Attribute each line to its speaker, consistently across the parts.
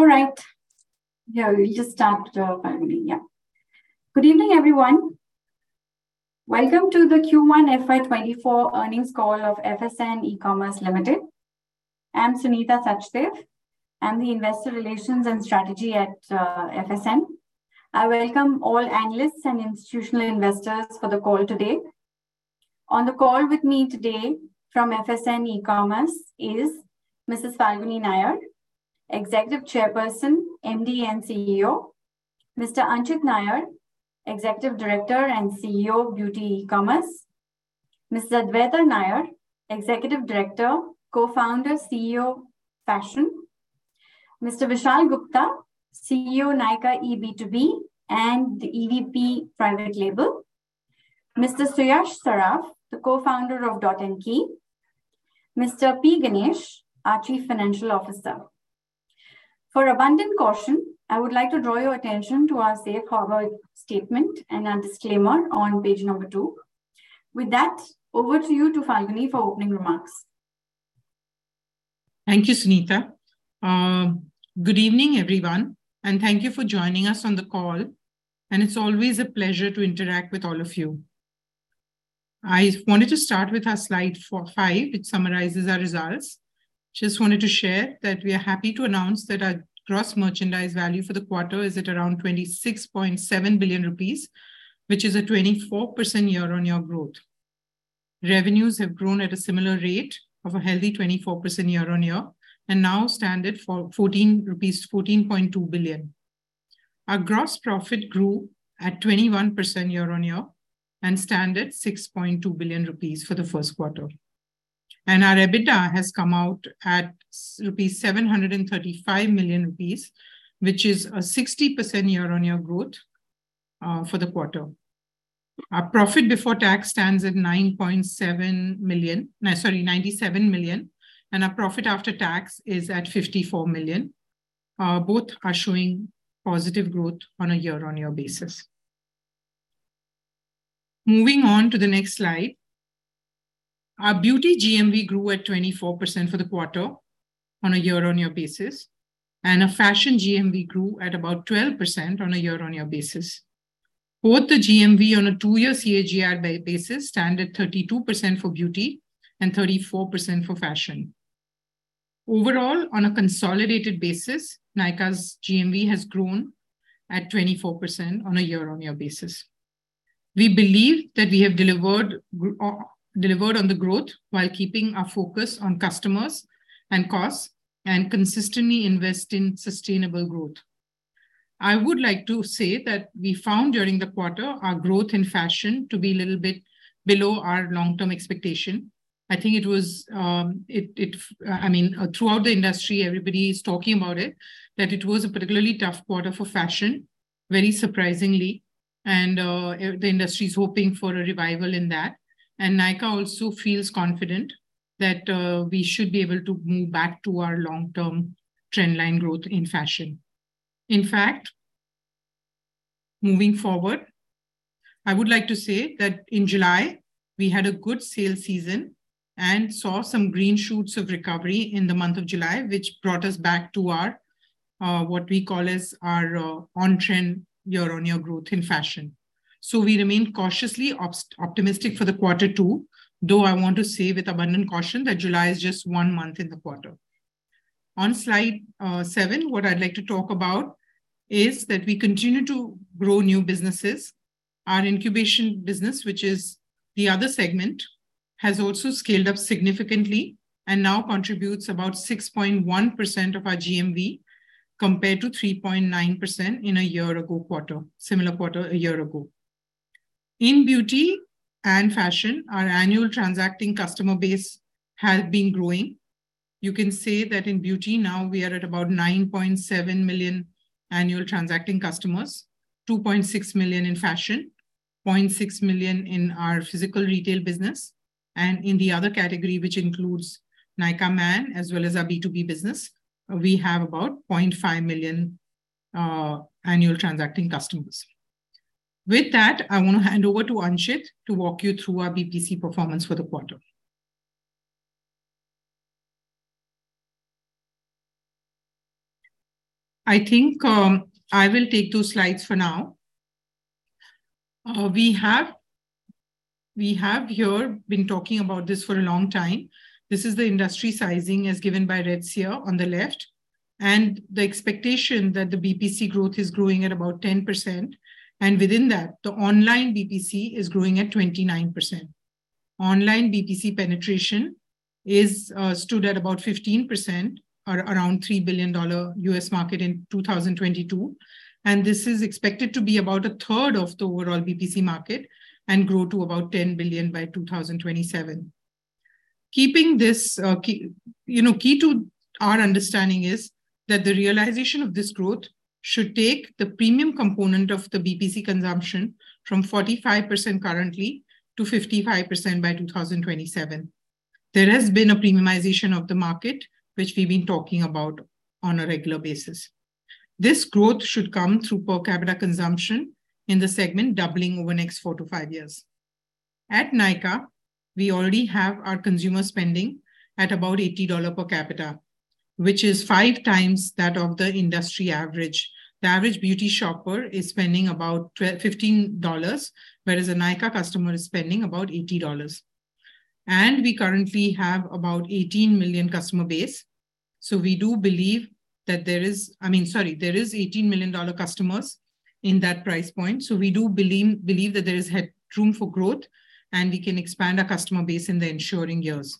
Speaker 1: All right. Yeah, we'll just start, finally, yeah. Good evening everyone? Welcome to the Q1 FY 2024 earnings call of FSN E-Commerce Ventures Limited. I'm Sunita Sachdev. I'm the Investor Relations and Strategy at FSN. I welcome all analysts and institutional investors for the call today. On the call with me today from FSN E-Commerce Ventures is Falguni Nayar, Executive Chairperson, Managing Director, and Chief Executive Officer, Anchit Nayar, Executive Director and Chief Executive Officer of Beauty E-Commerce, Adwaita Nayar, Executive Director, Co-founder, Chief Executive Officer Fashion, Vishal Gupta, Chief Financial Officer Nykaa eB2B, and the Executive Vice President Private Label, Suyash Saraf, the Co-founder of Dot & Key, P. Ganesh, our Chief Financial Officer. For abundant caution, I would like to draw your attention to our safe harbor statement and our disclaimer on page number two. With that, over to you to Falguni for opening remarks.
Speaker 2: Thank you, Sunita. Good evening, everyone, and thank you for joining us on the call. It's always a pleasure to interact with all of you. I wanted to start with our slide 5, which summarizes our results. Just wanted to share that we are happy to announce that our gross merchandise value for the quarter is at around 26.7 billion rupees, which is a 24% year-over-year growth. Revenues have grown at a similar rate of a healthy 24% year-over-year, now stand at 14.2 billion. Our gross profit grew at 21% year-over-year and stand at 6.2 billion rupees for the first quarter. Our EBITDA has come out at 735 million rupees, which is a 60% year-over-year growth for the quarter. Our profit before tax stands at 9.7 million, no, sorry, 97 million, and our profit after tax is at 54 million. Both are showing positive growth on a year-on-year basis. Moving on to the next slide. Our Beauty GMV grew at 24% for the quarter on a year-on-year basis, and our Fashion GMV grew at about 12% on a year-on-year basis. Both the GMV on a two-year CAGR basis stand at 32% for Beauty and 34% for Fashion. Overall, on a consolidated basis, Nykaa's GMV has grown at 24% on a year-on-year basis. We believe that we have delivered on the growth while keeping our focus on customers and costs and consistently invest in sustainable growth. I would like to say that we found during the quarter our growth in Fashion to be a little bit below our long-term expectation. I think it was, I mean, throughout the industry everybody's talking about it, that it was a particularly tough quarter for Fashion, very surprisingly, and the industry's hoping for a revival in that. Nykaa also feels confident that we should be able to move back to our long-term trend line growth in Fashion. In fact, moving forward, I would like to say that in July we had a good sale season and saw some green shoots of recovery in the month of July, which brought us back to our, what we call as our, on-trend year-on-year growth in Fashion. We remain cautiously optimistic for the quarter two, though I want to say with abundant caution that July is just one month in the quarter. On slide seven, what I'd like to talk about is that we continue to grow new businesses. Our incubation business, which is the other segment, has also scaled up significantly and now contributes about 6.1% of our GMV compared to 3.9% in a similar quarter a year ago. In Beauty and Fashion, our annual transacting customer base has been growing. You can see that in Beauty now we are at about 9.7 million annual transacting customers, 2.6 million in Fashion, 0.6 million in our physical retail business, and in the other category, which includes Nykaa Man, as well as our B2B business, we have about 0.5 million annual transacting customers. With that, I want to hand over to Anchit to walk you through our BPC performance for the quarter. I think, I will take two slides for now. We have here been talking about this for a long time. This is the industry sizing as given by Redseer on the left, and the expectation that the BPC growth is growing at about 10%. Within that, the online BPC is growing at 29%. Online BPC penetration stood at about 15% or around $3 billion U.S. market in 2022. This is expected to be about 1/3 of the overall BPC market and grow to about $10 billion by 2027. Keeping this, you know, key to our understanding is that the realization of this growth should take the premium component of the BPC consumption from 45% currently to 55% by 2027. There has been a premiumization of the market, which we've been talking about on a regular basis. This growth should come through per capita consumption in the segment doubling over the next four to five years. At Nykaa, we already have our consumer spending at about $80 per capita, which is 5x that of the industry average. The average beauty shopper is spending about $15, whereas a Nykaa customer is spending about $80. We currently have about 18 million customer base. We do believe that there is I mean, sorry, there is 18 million dollar customers in that price point. We do believe that there is headroom for growth, and we can expand our customer base in the ensuring years.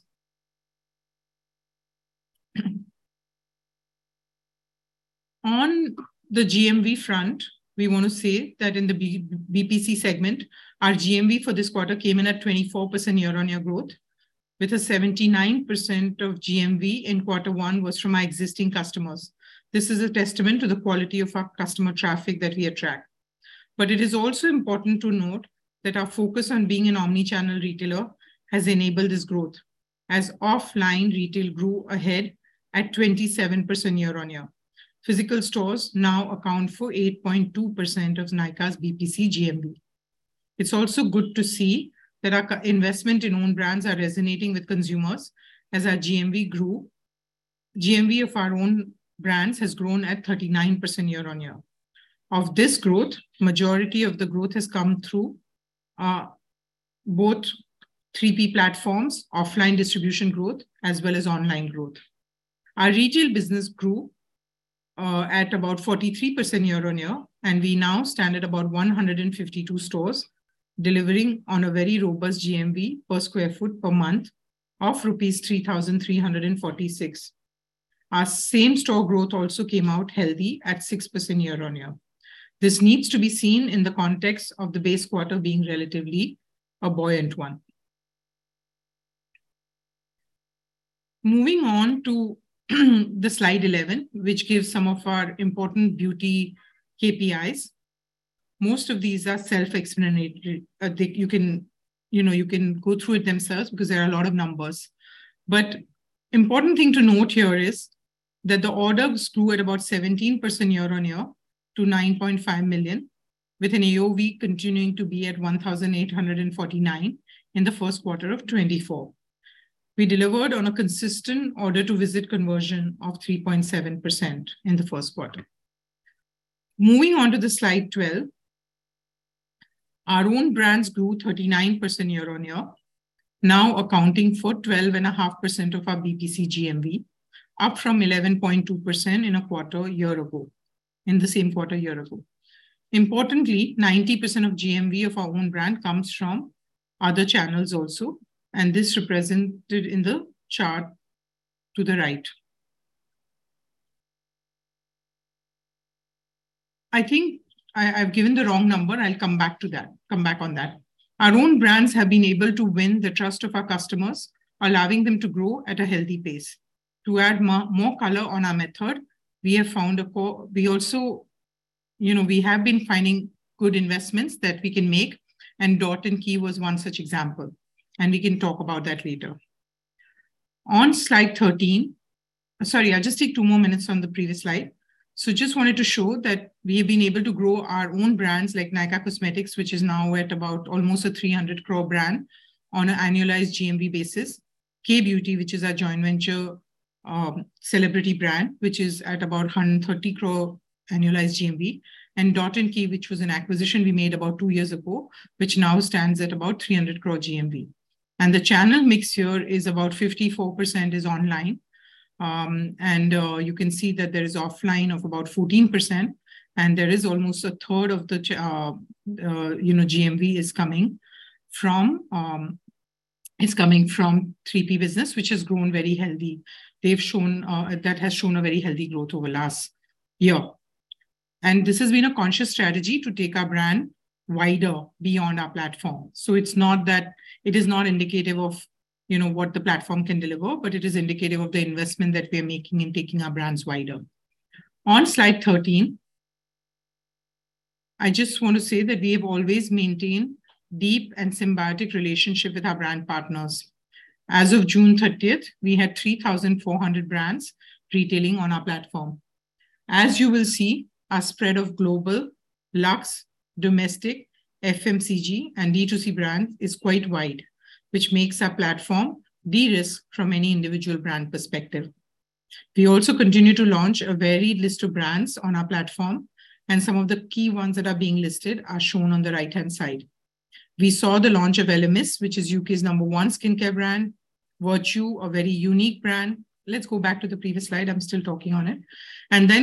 Speaker 2: On the GMV front, we want to say that in the BPC segment, our GMV for this quarter came in at 24% year-on-year growth, with a 79% of GMV in Q1 was from our existing customers. This is a testament to the quality of our customer traffic that we attract. It is also important to note that our focus on being an omni-channel retailer has enabled this growth, as offline retail grew ahead at 27% year-on-year. Physical stores now account for 8.2% of Nykaa's BPC GMV. It's also good to see that our investment in own brands are resonating with consumers as our GMV grew. GMV of our own brands has grown at 39% year-on-year. Of this growth, majority of the growth has come through both 3P platforms, offline distribution growth, as well as online growth. Our retail business grew at about 43% year-on-year, and we now stand at about 152 stores delivering on a very robust GMV per square foot per month of rupees 3,346. Our same store growth also came out healthy at 6% year-on-year. This needs to be seen in the context of the base quarter being relatively a buoyant one. Moving on to the slide 11, which gives some of our important beauty KPIs. Most of these are self-explanatory. You can, you know, you can go through it themselves because there are a lot of numbers. Important thing to note here is that the orders grew at about 17% year-on-year to 9.5 million, with an AOV continuing to be at 1,849 in the first quarter of 2024. We delivered on a consistent order to visit conversion of 3.7% in the first quarter. Moving on to the slide 12. Our own brands grew 39% year-on-year, now accounting for 12.5% of our BPC GMV, up from 11.2% in a quarter year ago, in the same quarter year ago. Importantly, 90% of GMV of our own brand comes from other channels also, this represented in the chart to the right. I think I've given the wrong number. I'll come back on that. Our own brands have been able to win the trust of our customers, allowing them to grow at a healthy pace. To add more color on our method, We also, you know, we have been finding good investments that we can make, and Dot & Key was one such example, and we can talk about that later. On slide 13. Sorry, I'll just take two more minutes on the previous slide. Just wanted to show that we have been able to grow our own brands like Nykaa Cosmetics, which is now at about almost a 300 crore brand on an annualized GMV basis. Kay Beauty, which is our joint venture, celebrity brand, which is at about 130 crore annualized GMV. Dot & Key, which was an acquisition we made about two years ago, which now stands at about 300 crore GMV. The channel mix here is about 54% is online, and you can see that there is offline of about 14%, and there is almost 1/3 of the, you know, GMV is coming from 3P business, which has grown very healthy. That has shown a very healthy growth over last year. This has been a conscious strategy to take our brand wider beyond our platform. It is not indicative of, you know, what the platform can deliver, but it is indicative of the investment that we're making in taking our brands wider. On slide 13, I just want to say that we've always maintained deep and symbiotic relationship with our brand partners. As of June 30th, we had 3,400 brands retailing on our platform. As you will see, our spread of global, Luxe, Domestic, FMCG, and D2C brands is quite wide, which makes our platform de-risk from any individual brand perspective. Some of the key ones that are being listed are shown on the right-hand side. We saw the launch of Elemis, which is U.K.'s number one skincare brand. Virtue, a very unique brand. Let's go back to the previous slide, I'm still talking on it.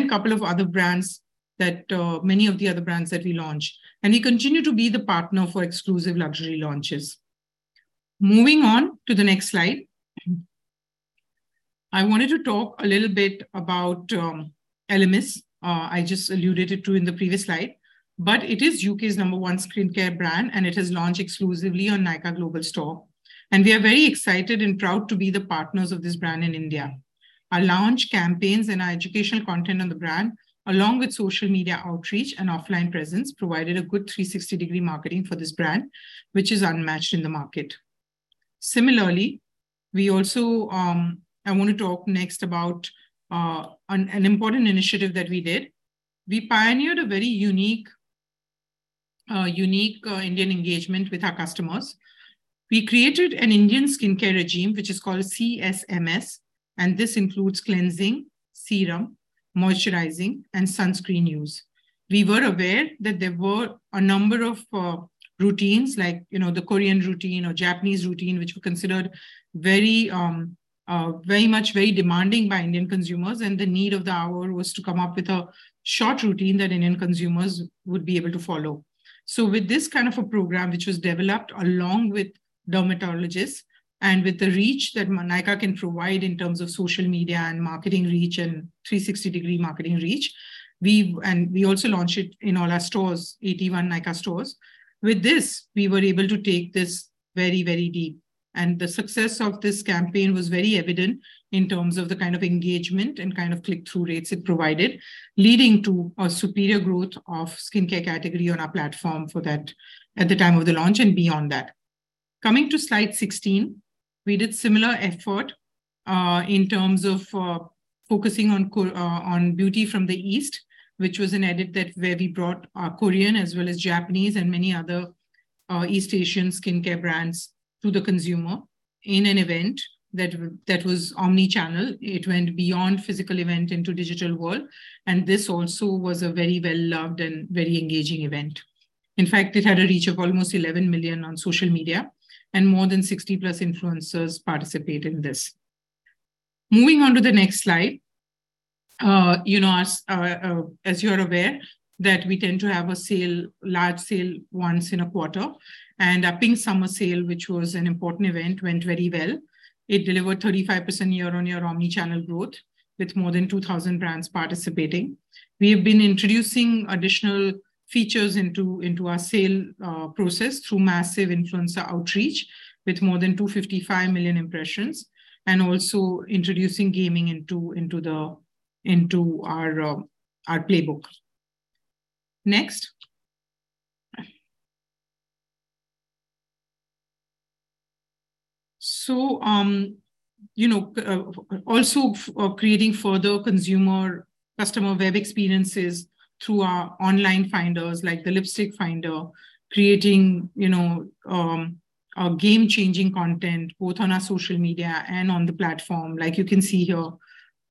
Speaker 2: Couple of other brands that many of the other brands that we launched. We continue to be the partner for exclusive luxury launches. Moving on to the next slide. I wanted to talk a little bit about Elemis. I just alluded it to in the previous slide. It is UK's number one skincare brand, and it has launched exclusively on Nykaa Global Store. We are very excited and proud to be the partners of this brand in India. Our launch campaigns and our educational content on the brand, along with social media outreach and offline presence, provided a good 360-degree marketing for this brand, which is unmatched in the market. Similarly, we also, I want to talk next about an important initiative that we did. We pioneered a very unique Indian engagement with our customers. We created an Indian skincare regime, which is called CSMS, and this includes cleansing, serum, moisturizing, and sunscreen use. We were aware that there were a number of routines like, you know, the Korean routine or Japanese routine, which were considered very much very demanding by Indian consumers. The need of the hour was to come up with a short routine that Indian consumers would be able to follow. With this kind of a program, which was developed along with dermatologists and with the reach that Nykaa can provide in terms of social media and marketing reach and 360-degree marketing reach, we also launched it in all our stores, 81 Nykaa stores. With this, we were able to take this very, very deep, and the success of this campaign was very evident in terms of the kind of engagement and kind of click-through rates it provided, leading to a superior growth of skincare category on our platform for that at the time of the launch and beyond that. Coming to slide 16, we did similar effort in terms of focusing on beauty from the East, which was an edit that where we brought Korean as well as Japanese and many other East Asian skincare brands to the consumer in an event that was omni-channel. It went beyond physical event into digital world, and this also was a very well-loved and very engaging event. In fact, it had a reach of almost 11 million on social media, and more than 60+ influencers participate in this. Moving on to the next slide. You know, as you're aware that we tend to have a sale, large sale once in a quarter, and our Big Summer Sale, which was an important event, went very well. It delivered 35% year-on-year omni-channel growth with more than 2,000 brands participating. We have been introducing additional features into our sale process through massive influencer outreach with more than 255 million impressions, and also introducing gaming into our playbook. Next. You know, also creating further consumer customer web experiences through our online finders, like the lipstick finder. Creating, you know, our game-changing content, both on our social media and on the platform, like you can see here,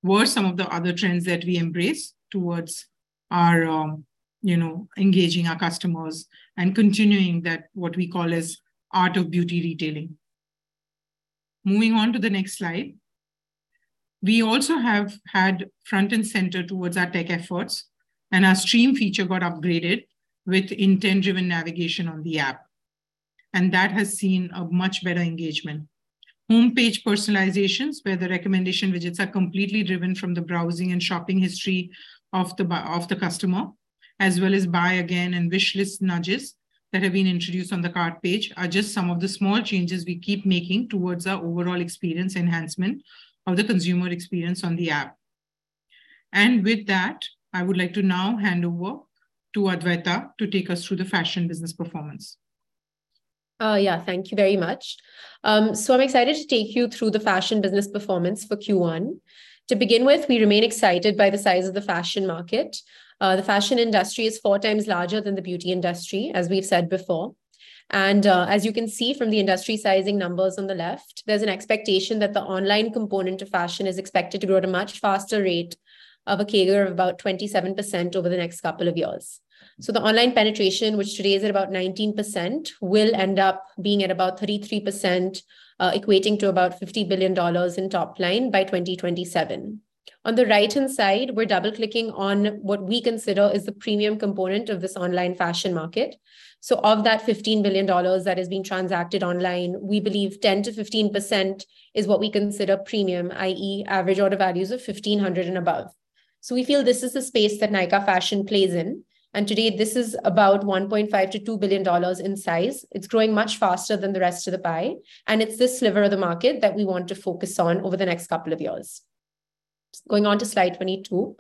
Speaker 2: were some of the other trends that we embrace towards our, you know, engaging our customers and continuing that what we call as art of beauty retailing. Moving on to the next slide. We also have had front and center towards our tech efforts, and our stream feature got upgraded with intent-driven navigation on the app, and that has seen a much better engagement. Homepage personalisations, where the recommendation widgets are completely driven from the browsing and shopping history of the customer, as well as buy again and wish list nudges that have been introduced on the cart page are just some of the small changes we keep making towards our overall experience enhancement of the consumer experience on the app. With that, I would like to now hand over to Adwaita to take us through the fashion business performance.
Speaker 3: Thank you very much. I'm excited to take you through the fashion business performance for Q1. To begin with, we remain excited by the size of the fashion market. The fashion industry is 4 times larger than the beauty industry, as we've said before. As you can see from the industry sizing numbers on the left, there's an expectation that the online component of fashion is expected to grow at a much faster rate of a CAGR of about 27% over the next couple of years. The online penetration, which today is at about 19%, will end up being at about 33%, equating to about $50 billion in top line by 2027. On the right-hand side, we're double-clicking on what we consider is the premium component of this online fashion market. Of that $15 billion that is being transacted online, we believe 10%-15% is what we consider premium, i.e., average order values of 1,500 and above. We feel this is the space that Nykaa Fashion plays in, and today, this is about $1.5 billion-$2 billion in size. It's growing much faster than the rest of the pie, and it's this sliver of the market that we want to focus on over the next couple of years. Going on to slide 22.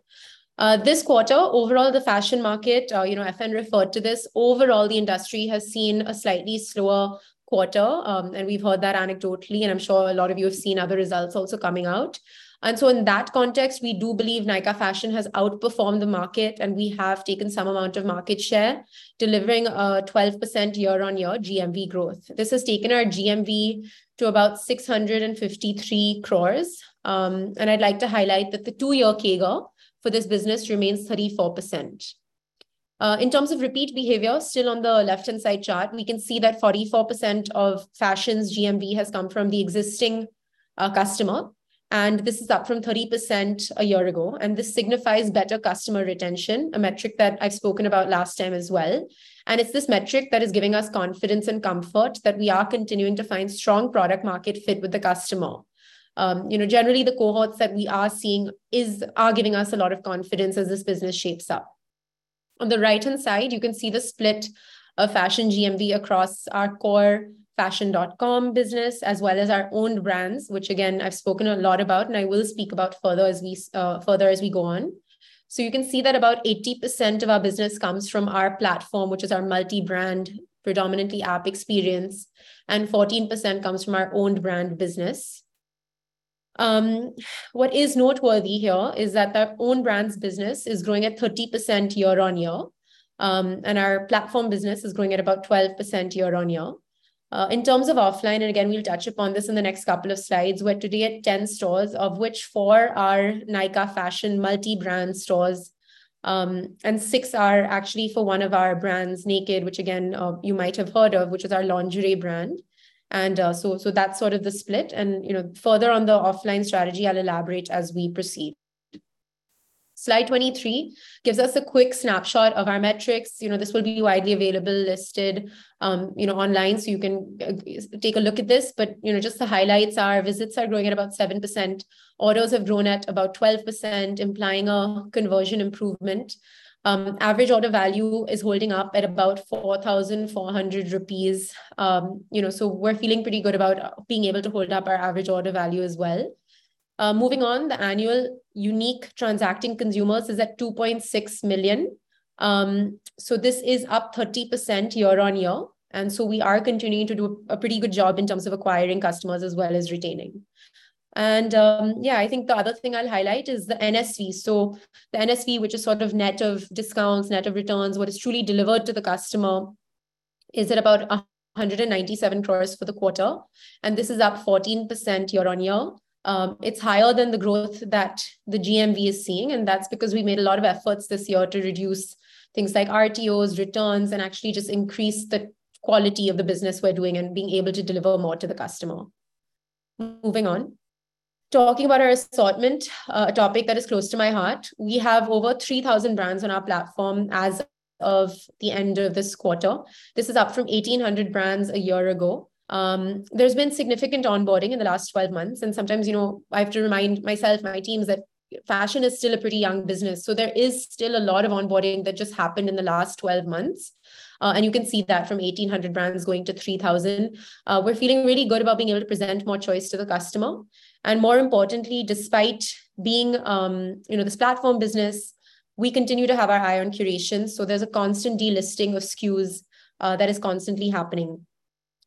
Speaker 3: This quarter, overall, the fashion market, you know, FN referred to this. Overall, the industry has seen a slightly slower quarter, and we've heard that anecdotally, and I'm sure a lot of you have seen other results also coming out. In that context, we do believe Nykaa Fashion has outperformed the market, and we have taken some amount of market share, delivering a 12% year-on-year GMV growth. This has taken our GMV to about 653 crores. I'd like to highlight that the two-year CAGR for this business remains 34%. In terms of repeat behavior, still on the left-hand side chart, we can see that 44% of fashion's GMV has come from the existing customer, and this is up from 30% a year ago. This signifies better customer retention, a metric that I've spoken about last time as well. It's this metric that is giving us confidence and comfort that we are continuing to find strong product market fit with the customer. You know, generally the cohorts that we are seeing are giving us a lot of confidence as this business shapes up. On the right-hand side, you can see the split of fashion GMV across our core fashion.com business as well as our own brands, which again, I've spoken a lot about and I will speak about further as we go on. You can see that about 80% of our business comes from our platform, which is our multi-brand, predominantly app experience, and 14% comes from our own brand business. What is noteworthy here is that our own brand's business is growing at 30% Year-on-Year. Our platform business is growing at about 12% year-on-year. In terms of offline, and again, we'll touch upon this in the next couple of slides, we're today at 10 stores, of which four are Nykaa Fashion multi-brand stores, and six are actually for one of our brands, Nykd, which again, you might have heard of, which is our lingerie brand. So that's sort of the split. You know, further on the offline strategy, I'll elaborate as we proceed. Slide 23 gives us a quick snapshot of our metrics. You know, this will be widely available listed, you know, online, so you can take a look at this. You know, just the highlights are visits are growing at about 7%. Orders have grown at about 12%, implying a conversion improvement. Average order value is holding up at about 4,400 rupees. You know, we're feeling pretty good about being able to hold up our average order value as well. Moving on, the annual unique transacting consumers is at 2.6 million. This is up 30% year-on-year. We are continuing to do a pretty good job in terms of acquiring customers as well as retaining. I think the other thing I'll highlight is the NSV. The NSV, which is sort of net of discounts, net of returns, what is truly delivered to the customer, is at about 197 crores for the quarter. This is up 14% year-on-year. It's higher than the growth that the GMV is seeing, and that's because we made a lot of efforts this year to reduce things like RTOs, returns, and actually just increase the quality of the business we're doing and being able to deliver more to the customer. Moving on. Talking about our assortment, a topic that is close to my heart. We have over 3,000 brands on our platform as of the end of this quarter. This is up from 1,800 brands a year ago. There's been significant onboarding in the last 12 months, and sometimes, you know, I have to remind myself, my teams, that fashion is still a pretty young business, so there is still a lot of onboarding that just happened in the last 12 months. You can see that from 1,800 brands going to 3,000. We're feeling really good about being able to present more choice to the customer. More importantly, despite being, you know, this platform business, we continue to have our eye on curation, so there's a constant delisting of SKUs that is constantly happening.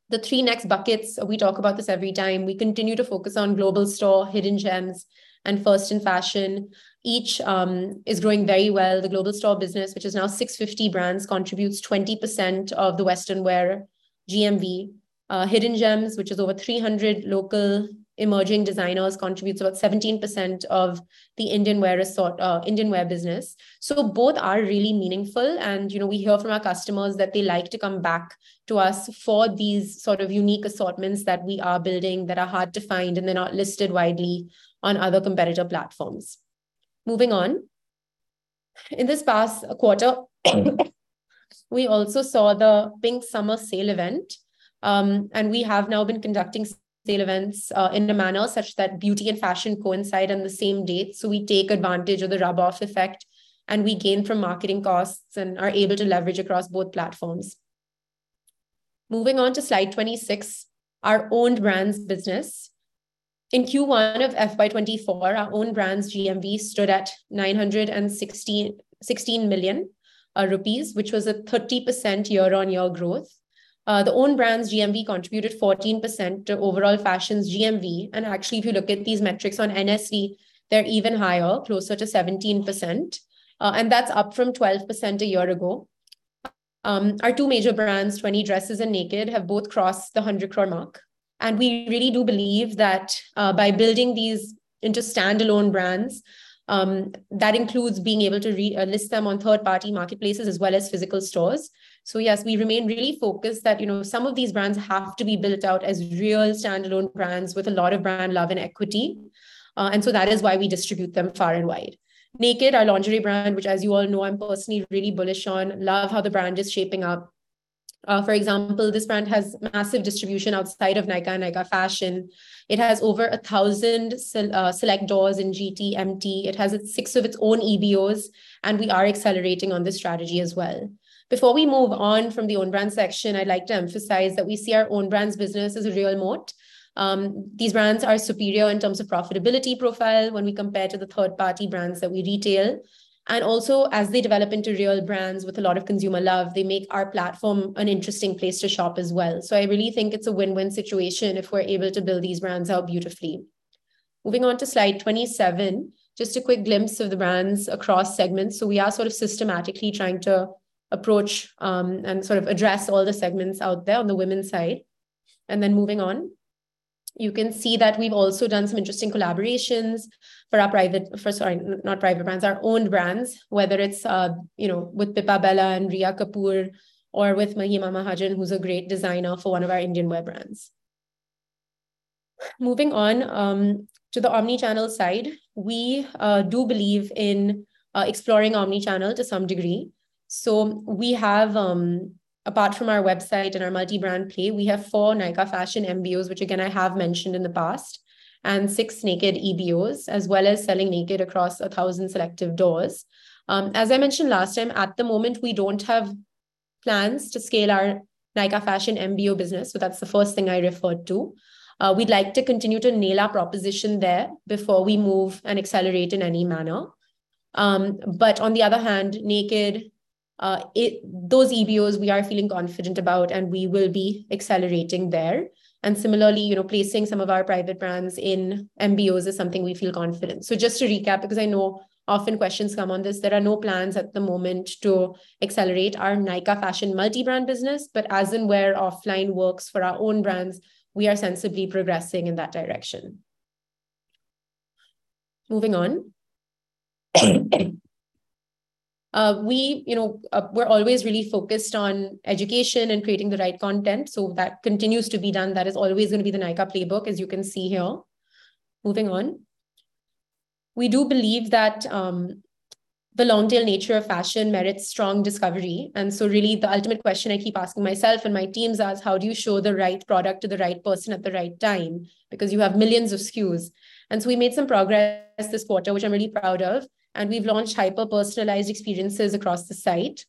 Speaker 3: The three next buckets, we talk about this every time, we continue to focus on The Global Store, hidden gems, and first in fashion. Each is growing very well. The Global Store business, which is now 650 brands, contributes 20% of the western wear GMV. Hidden gems, which is over 300 local emerging designers, contributes about 17% of the Indian wear business. Both are really meaningful. You know, we hear from our customers that they like to come back to us for these sort of unique assortments that we are building that are hard to find, and they are not listed widely on other competitor platforms. In this past quarter, we also saw the Big Summer Sale event. We have now been conducting sale events in a manner such that beauty and fashion coincide on the same date. We take advantage of the rub off effect, we gain from marketing costs and are able to leverage across both platforms. Moving on to slide 26, our Owned Brands business. In Q1 of FY 2024, our owned brands GMV stood at 916.16 million rupees, which was a 30% year-on-year growth. The owned brands GMV contributed 14% to overall Fashion's GMV. Actually, if you look at these metrics on NSV, they're even higher, closer to 17%. That's up from 12% a year ago. Our two major brands, Twenty Dresses and Nykd, have both crossed the 100 crore mark. We really do believe that, by building these into standalone brands, that includes being able to list them on third-party marketplaces as well as physical stores. Yes, we remain really focused that, you know, some of these brands have to be built out as real standalone brands with a lot of brand love and equity. That is why we distribute them far and wide. Nykd, our lingerie brand, which, as you all know, I'm personally really bullish on, love how the brand is shaping up. For example, this brand has massive distribution outside of Nykaa and Nykaa Fashion. It has over 1,000 select doors in GT, MT. It has its six of its own EBOs, and we are accelerating on this strategy as well. Before we move on from the owned brand section, I'd like to emphasize that we see our owned brands business as a real moat. These brands are superior in terms of profitability profile when we compare to the third-party brands that we retail. Also, as they develop into real brands with a lot of consumer love, they make our platform an interesting place to shop as well. I really think it's a win-win situation if we're able to build these brands out beautifully. Moving on to slide 27, just a quick glimpse of the brands across segments. We are sort of systematically trying to approach and sort of address all the segments out there on the women's side. Moving on, you can see that we've also done some interesting collaborations for our owned brands, whether it's with Pipa Bella and Rhea Kapoor or with Mahima Mahajan, who's a great designer for one of our Indian wear brands. Moving on to the omnichannel side. We do believe in exploring omnichannel to some degree. We have, apart from our website and our multi-brand play, we have 4 Nykaa Fashion MBOs, which again, I have mentioned in the past, and 6 Nykd EBOs, as well as selling Nykd across 1,000 selective doors. As I mentioned last time, at the moment, we don't have plans to scale our Nykaa Fashion MBO business, that's the first thing I referred to. We'd like to continue to nail our proposition there before we move and accelerate in any manner. On the other hand, Nykd, those EBOs we are feeling confident about, and we will be accelerating there. Similarly, you know, placing some of our private brands in MBOs is something we feel confident. Just to recap, because I know often questions come on this, there are no plans at the moment to accelerate our Nykaa Fashion multi-brand business. As and where offline works for our own brands, we are sensibly progressing in that direction. Moving on. We, you know, we're always really focused on education and creating the right content, that continues to be done. That is always gonna be the Nykaa playbook, as you can see here. Moving on. We do believe that the long tail nature of fashion merits strong discovery. Really the ultimate question I keep asking myself and my teams is: How do you show the right product to the right person at the right time? Because you have millions of SKUs. We made some progress this quarter, which I'm really proud of, and we've launched hyper-personalized experiences across the site.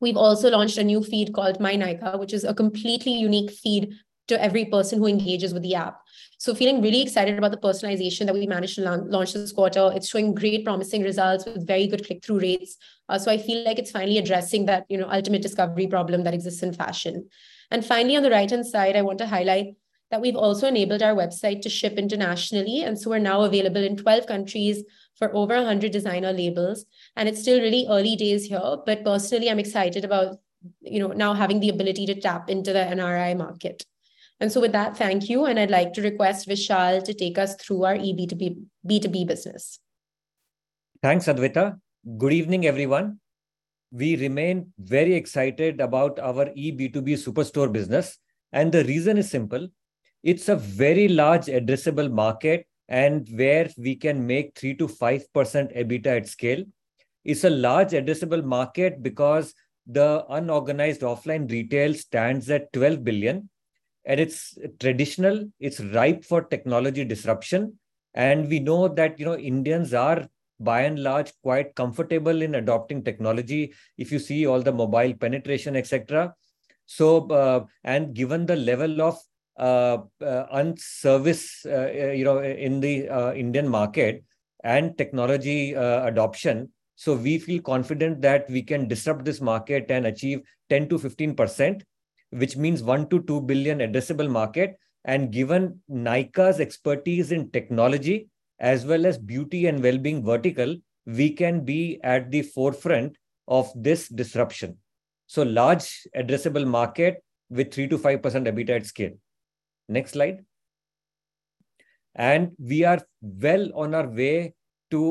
Speaker 3: We've also launched a new feed called My Nykaa, which is a completely unique feed to every person who engages with the app. Feeling really excited about the personalization that we managed to launch this quarter. It's showing great promising results with very good click-through rates. I feel like it's finally addressing that, you know, ultimate discovery problem that exists in fashion. Finally, on the right-hand side, I want to highlight that we've also enabled our website to ship internationally, and so we're now available in 12 countries for over 100 designer labels. It's still really early days here, but personally I'm excited about, you know, now having the ability to tap into the NRI market. With that, thank you, and I'd like to request Vishal to take us through our eB2B business.
Speaker 4: Thanks, Adwaita. Good evening, everyone. We remain very excited about our eB2B Superstore business. The reason is simple it's a very large addressable market and where we can make 3%-5% EBITDA at scale. It's a large addressable market because the unorganized offline retail stands at $12 billion. It's traditional, it's ripe for technology disruption. We know that, you know, Indians are, by and large, quite comfortable in adopting technology if you see all the mobile penetration, et cetera. Given the level of underservice, you know, in the Indian market and technology adoption, we feel confident that we can disrupt this market and achieve 10%-15%, which means $1 billion-$2 billion addressable market. Given Nykaa's expertise in technology as well as beauty and well-being vertical, we can be at the forefront of this disruption. Large addressable market with 3%-5% EBITDA at scale. Next slide. We are well on our way to,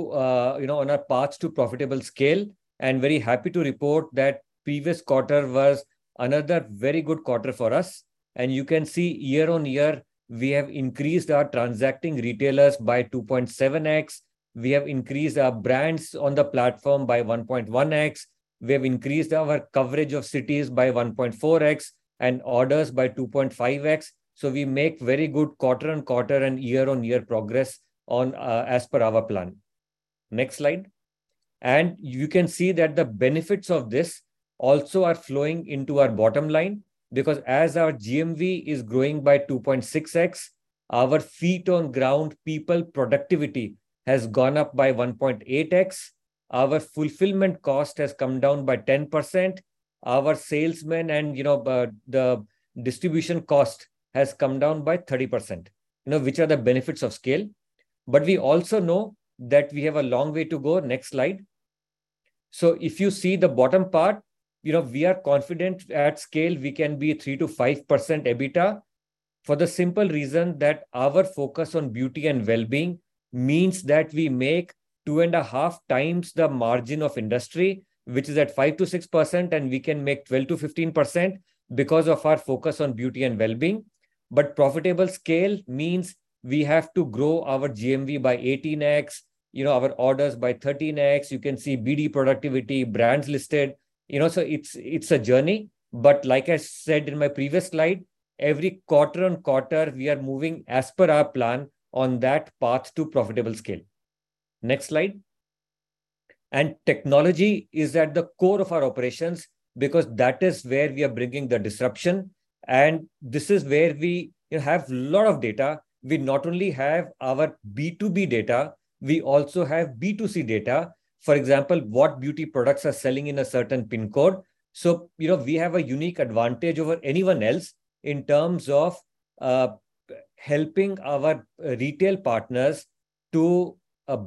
Speaker 4: you know, on our path to profitable scale, and very happy to report that previous quarter was another very good quarter for us. You can see year-over-year, we have increased our transacting retailers by 2.7x. We have increased our brands on the platform by 1.1x. We have increased our coverage of cities by 1.4x, and orders by 2.5x, so we make very good quarter-over-quarter and year-over-year progress as per our plan. Next slide. You can see that the benefits of this also are flowing into our bottom line, because as our GMV is growing by 2.6x, our feet on ground people productivity has gone up by 1.8x. Our fulfillment cost has come down by 10%. Our salesmen and, you know, the distribution cost has come down by 30%, you know, which are the benefits of scale. We also know that we have a long way to go. Next slide. If you see the bottom part, you know, we are confident at scale we can be 3%-5% EBITDA for the simple reason that our focus on beauty and well-being means that we make 2.5x the margin of industry, which is at 5%-6%, and we can make 12%-15% because of our focus on beauty and well-being. Profitable scale means we have to grow our GMV by 18x, you know, our orders by 13x. You can see BDE productivity, brands listed, you know, it's a journey. Like I said in my previous slide, every quarter-on-quarter, we are moving as per our plan on that path to profitable scale. Next slide. Technology is at the core of our operations because that is where we are bringing the disruption, and this is where we have a lot of data. We not only have our B2B data, we also have B2C data. For example, what beauty products are selling in a certain pin code. You know, we have a unique advantage over anyone else in terms of helping our retail partners to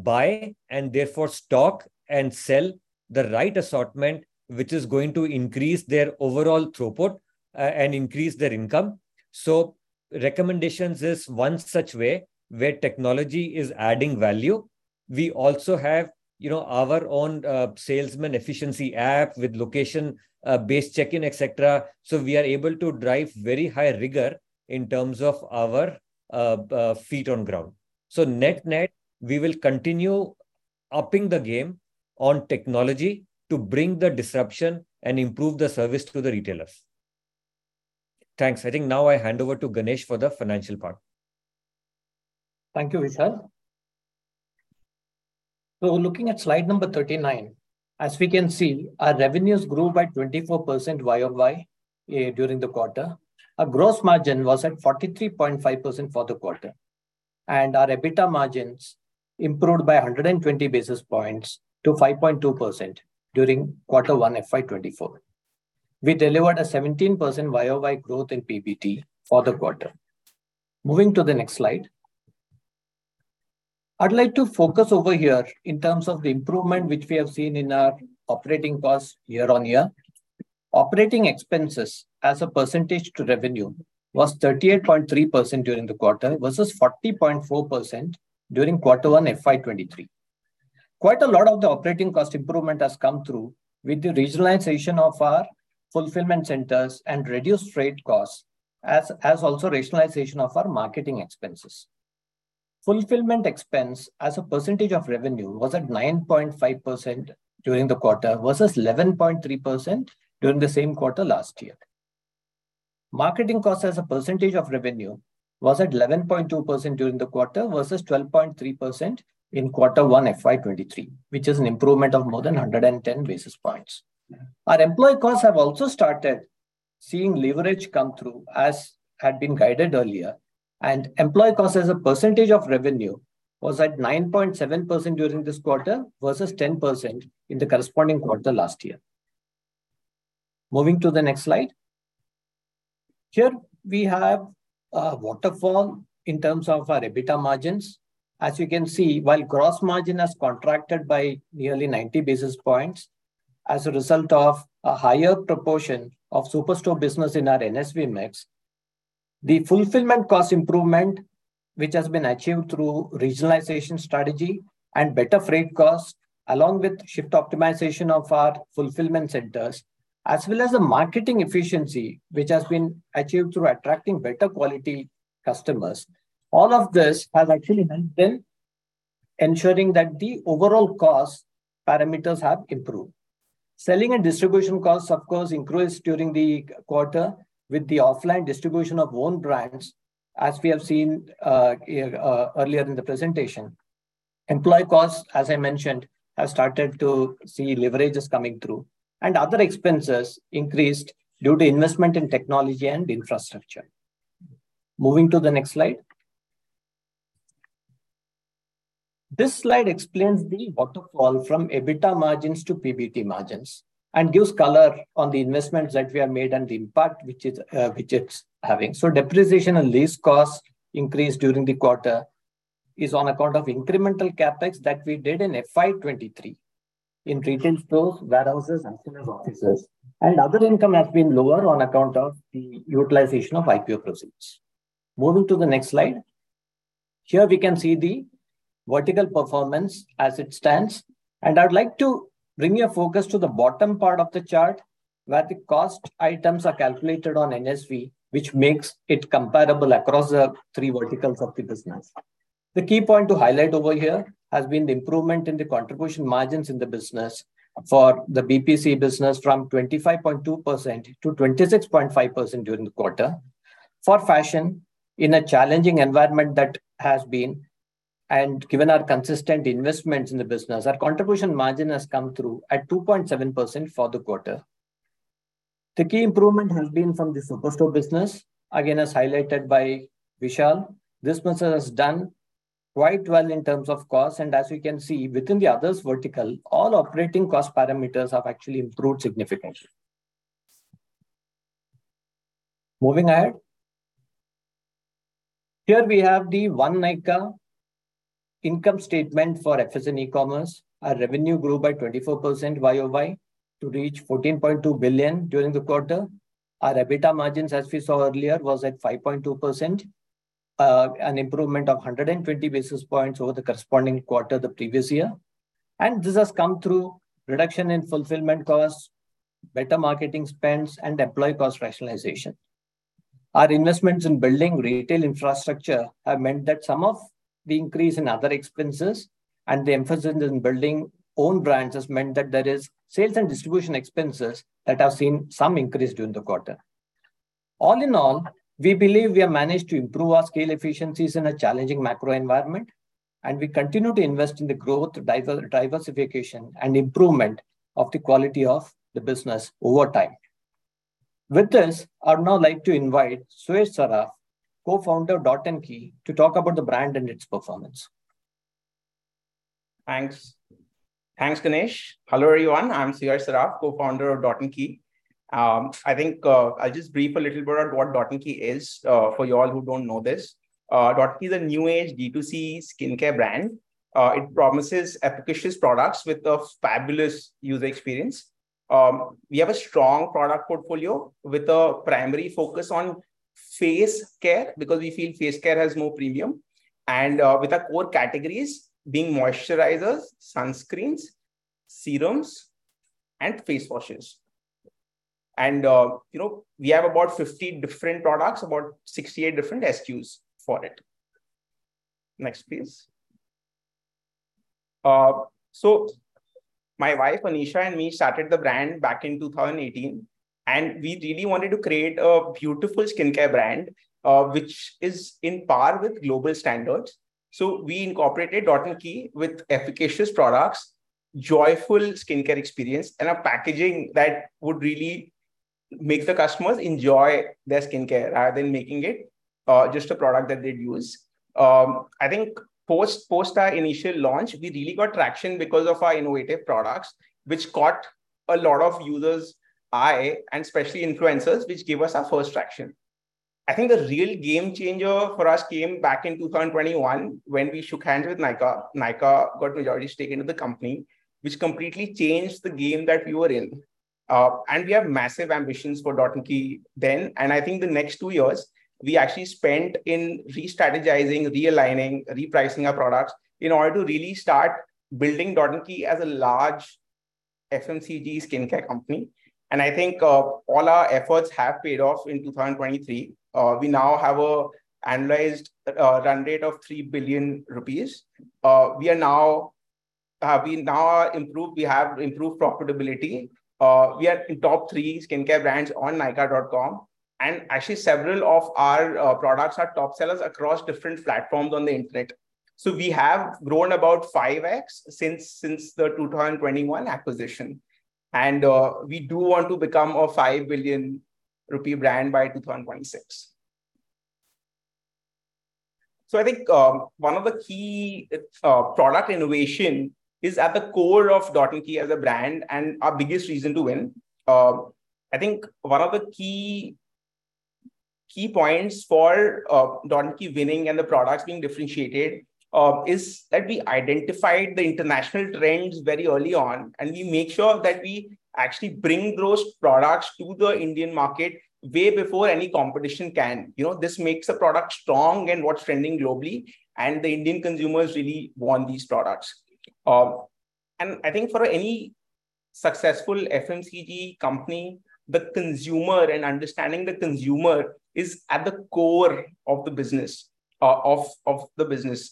Speaker 4: buy and therefore stock and sell the right assortment, which is going to increase their overall throughput and increase their income. Recommendations is one such way where technology is adding value. We also have, you know, our own salesman efficiency app with location based check-in, et cetera, so we are able to drive very high rigor in terms of our feet on ground. So Net-net, we will continue upping the game on technology to bring the disruption and improve the service to the retailers. Thanks. I think now I hand over to Ganesh for the financial part.
Speaker 5: Thank you, Vishal. Looking at slide number 39. As we can see, our revenues grew by 24% YOY during the quarter. Our gross margin was at 43.5% for the quarter. Our EBITDA margins improved by 120 basis points to 5.2% during quarter one FY 2024. We delivered a 17% YOY growth in PBT for the quarter. Moving to the next slide. I'd like to focus over here in terms of the improvement which we have seen in our operating costs year-on-year. Operating expenses as a percentage to revenue was 38.3% during the quarter versus 40.4% during quarter one FY 2023. Quite a lot of the operating cost improvement has come through with the regionalization of our fulfillment centers and reduced freight costs, as also regionalization of our marketing expenses. Fulfillment expense as a percentage of revenue was at 9.5% during the quarter versus 11.3% during the same quarter last year. Marketing costs as a percentage of revenue was at 11.2% during the quarter versus 12.3% in Q1 FY 2023, which is an improvement of more than 110 basis points. Our employee costs have also started seeing leverage come through as had been guided earlier, and employee costs as a percentage of revenue was at 9.7% during this quarter versus 10% in the corresponding quarter last year. Moving to the next slide. Here we have a waterfall in terms of our EBITDA margins. As you can see, while gross margin has contracted by nearly 90 basis points as a result of a higher proportion of Superstore business in our NSV mix, the fulfillment cost improvement, which has been achieved through regionalization strategy and better freight cost, along with shift optimization of our fulfillment centers, as well as the marketing efficiency which has been achieved through attracting better quality customers. All of this has actually meant in ensuring that the overall cost parameters have improved. Selling and distribution costs, of course, increased during the quarter with the offline distribution of own brands, as we have seen here earlier in the presentation. Employee costs, as I mentioned, have started to see leverages coming through, and other expenses increased due to investment in technology and infrastructure. Moving to the next slide. This slide explains the waterfall from EBITDA margins to PBT margins and gives color on the investments that we have made and the impact which is, which it's having. Depreciation and lease costs increased during the quarter is on account of incremental CapEx that we did in FY 2023 in retail stores, warehouses, and senior offices. Other income has been lower on account of the utilization of IPO proceeds. Moving to the next slide. Here we can see the Vertical Performance as it stands, and I'd like to bring your focus to the bottom part of the chart, where the cost items are calculated on NSV, which makes it comparable across the three verticals of the business. The key point to highlight over here has been the improvement in the contribution margins in the business for the BPC from 25.2% to 26.5% during the quarter. For fashion, in a challenging environment that has been, and given our consistent investments in the business, our contribution margin has come through at 2.7% for the quarter. The key improvement has been from the Superstore business. Again, as highlighted by Vishal, this business has done quite well in terms of cost, and as we can see within the others vertical, all operating cost parameters have actually improved significantly. Moving ahead. Here we have the One Nykaa income statement for FSN E-Commerce Ventures. Our revenue grew by 24% YOY to reach 14.2 billion during the quarter. Our EBITDA margins, as we saw earlier, was at 5.2%, an improvement of 120 basis points over the corresponding quarter the previous year. This has come through reduction in fulfillment costs, better marketing spends, and employee cost rationalization. Our investments in building retail infrastructure have meant that some of the increase in other expenses and the emphasis in building own brands has meant that there is sales and distribution expenses that have seen some increase during the quarter. All in all, we believe we have managed to improve our scale efficiencies in a challenging macro environment, and we continue to invest in the growth, diversification, and improvement of the quality of the business over time. With this, I'd now like to invite Suyash Saraf, co-founder of Dot & Key, to talk about the brand and its performance.
Speaker 6: Thanks. Thanks, Ganesh. Hello, everyone? I'm Suyash Saraf, co-founder of Dot & Key. I'll just brief a little bit on what Dot & Key is for you all who don't know this. Dot & Key is a new age D2C skincare brand. It promises efficacious products with a fabulous user experience. We have a strong product portfolio with a primary focus on face care because we feel face care has more premium and with our core categories being moisturizers, sunscreens, serums, and face washes. You know, we have about 50 different products, about 68 different SKUs for it. Next, please. My wife Anisha and me started the brand back in 2018. We really wanted to create a beautiful skincare brand which is in par with global standards. We incorporated Dot & Key with efficacious products, joyful skincare experience, and a packaging that would really make the customers enjoy their skincare rather than making it just a product that they'd use. I think post our initial launch we really got traction because of our innovative products, which caught a lot of users' eye, and especially influencers, which gave us our first traction. I think the real game changer for us came back in 2021 when we shook hands with Nykaa. Nykaa got majority stake into the company, which completely changed the game that we were in. We have massive ambitions for Dot & Key then, and I think the next two years we actually spent in re-strategizing, realigning, repricing our products in order to really start building Dot & Key as a large FMCG skincare company. I think all our efforts have paid off in 2023. We now have a annualized run rate of 3 billion rupees. We are now, we now are improved, we have improved profitability. We are in top three skincare brands on nykaa.com, and actually several of our products are top sellers across different platforms on the internet. We have grown about 5x since the 2021 acquisition. We do want to become a 5 billion rupee brand by 2026. I think one of the key product innovation is at the core of Dot & Key as a brand, and our biggest reason to win. I think one of the key points for Dot & Key winning and the products being differentiated is that we identified the international trends very early on, and we make sure that we actually bring those products to the Indian market way before any competition can. You know, this makes a product strong and what's trending globally, and the Indian consumers really want these products. I think for any successful FMCG company, the consumer and understanding the consumer is at the core of the business, of the business.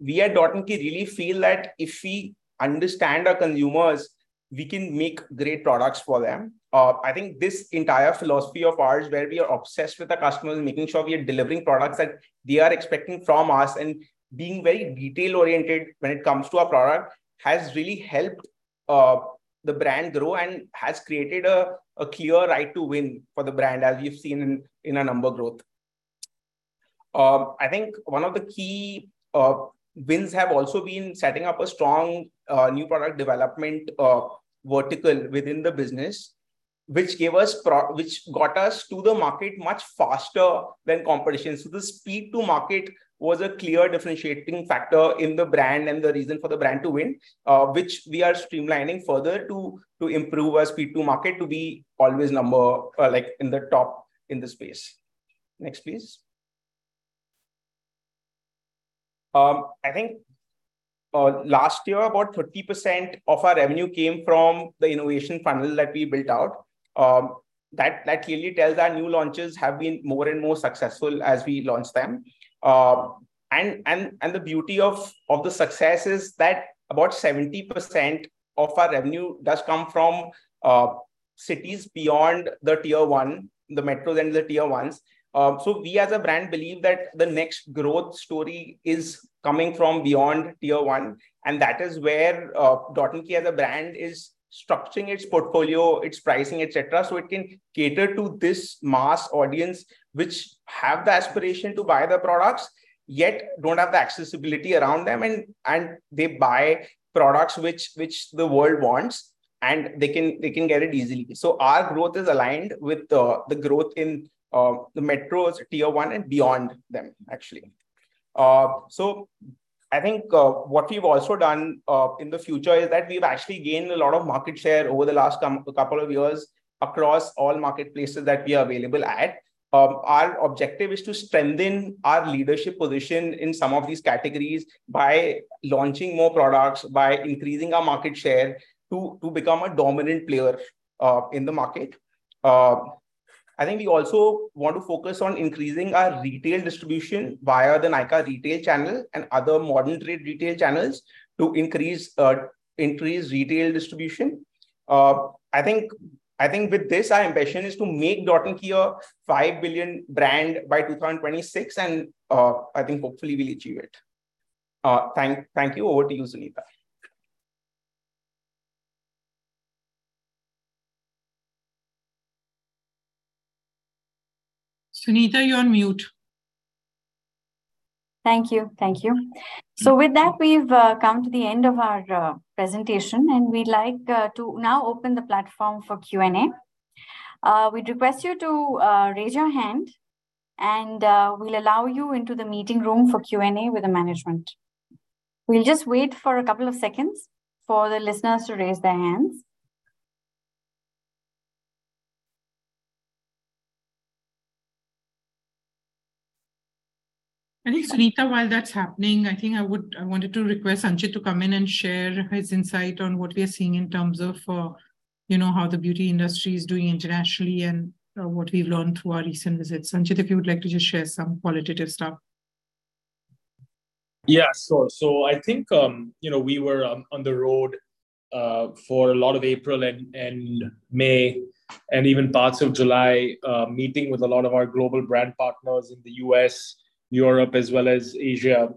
Speaker 6: We at Dot & Key really feel that if we understand our consumers, we can make great products for them. I think this entire philosophy of ours where we are obsessed with the customers, making sure we are delivering products that they are expecting from us, and being very detail-oriented when it comes to our product has really helped the brand grow and has created a clear right to win for the brand, as we've seen in our number growth. I think one of the key wins have also been setting up a strong new product development vertical within the business, which got us to the market much faster than competition. The speed to market was a clear differentiating factor in the brand and the reason for the brand to win, which we are streamlining further to improve our speed to market to be always number like in the top in the space. Next, please. I think last year about 30% of our revenue came from the innovation funnel that we built out. That clearly tells our new launches have been more and more successful as we launch them. And the beauty of the success is that about 70% of our revenue does come from cities beyond the Tier 1, the metros and the Tier 1s. We as a brand believe that the next growth story is coming from beyond tier one, and that is where Dot & Key as a brand is structuring its portfolio, its pricing, et cetera, so it can cater to this mass audience which have the aspiration to buy the products, yet don't have the accessibility around them and they buy products which the world wants, and they can get it easily. Our growth is aligned with the growth in the metros, Tier 1 and beyond them actually. I think what we've also done in the future is that we've actually gained a lot of market share over the last couple of years across all marketplaces that we are available at. Our objective is to strengthen our leadership position in some of these categories by launching more products, by increasing our market share to become a dominant player in the market. I think we also want to focus on increasing our retail distribution via the Nykaa retail channel and other modern trade retail channels to increase retail distribution. I think with this our ambition is to make Dot & Key an 5 billion brand by 2026 and I think hopefully we'll achieve it. Thank you. Over to you, Sunita.
Speaker 2: Sunita, you're on mute.
Speaker 1: Thank you. Thank you. With that, we've come to the end of our presentation, and we'd like to now open the platform for Q&A. We'd request you to raise your hand, and we'll allow you into the meeting room for Q&A with the management. We'll just wait for a couple of seconds for the listeners to raise their hands.
Speaker 2: I think, Sunita, while that's happening, I wanted to request Anchit to come in and share his insight on what we are seeing in terms of, you know, how the beauty industry is doing internationally and what we've learned through our recent visits. Anchit, if you would like to just share some qualitative stuff.
Speaker 7: Yeah, sure. I think, you know, we were on the road, for a lot of April and May, and even parts of July, meeting with a lot of our global brand partners in the U.S., Europe, as well as Asia.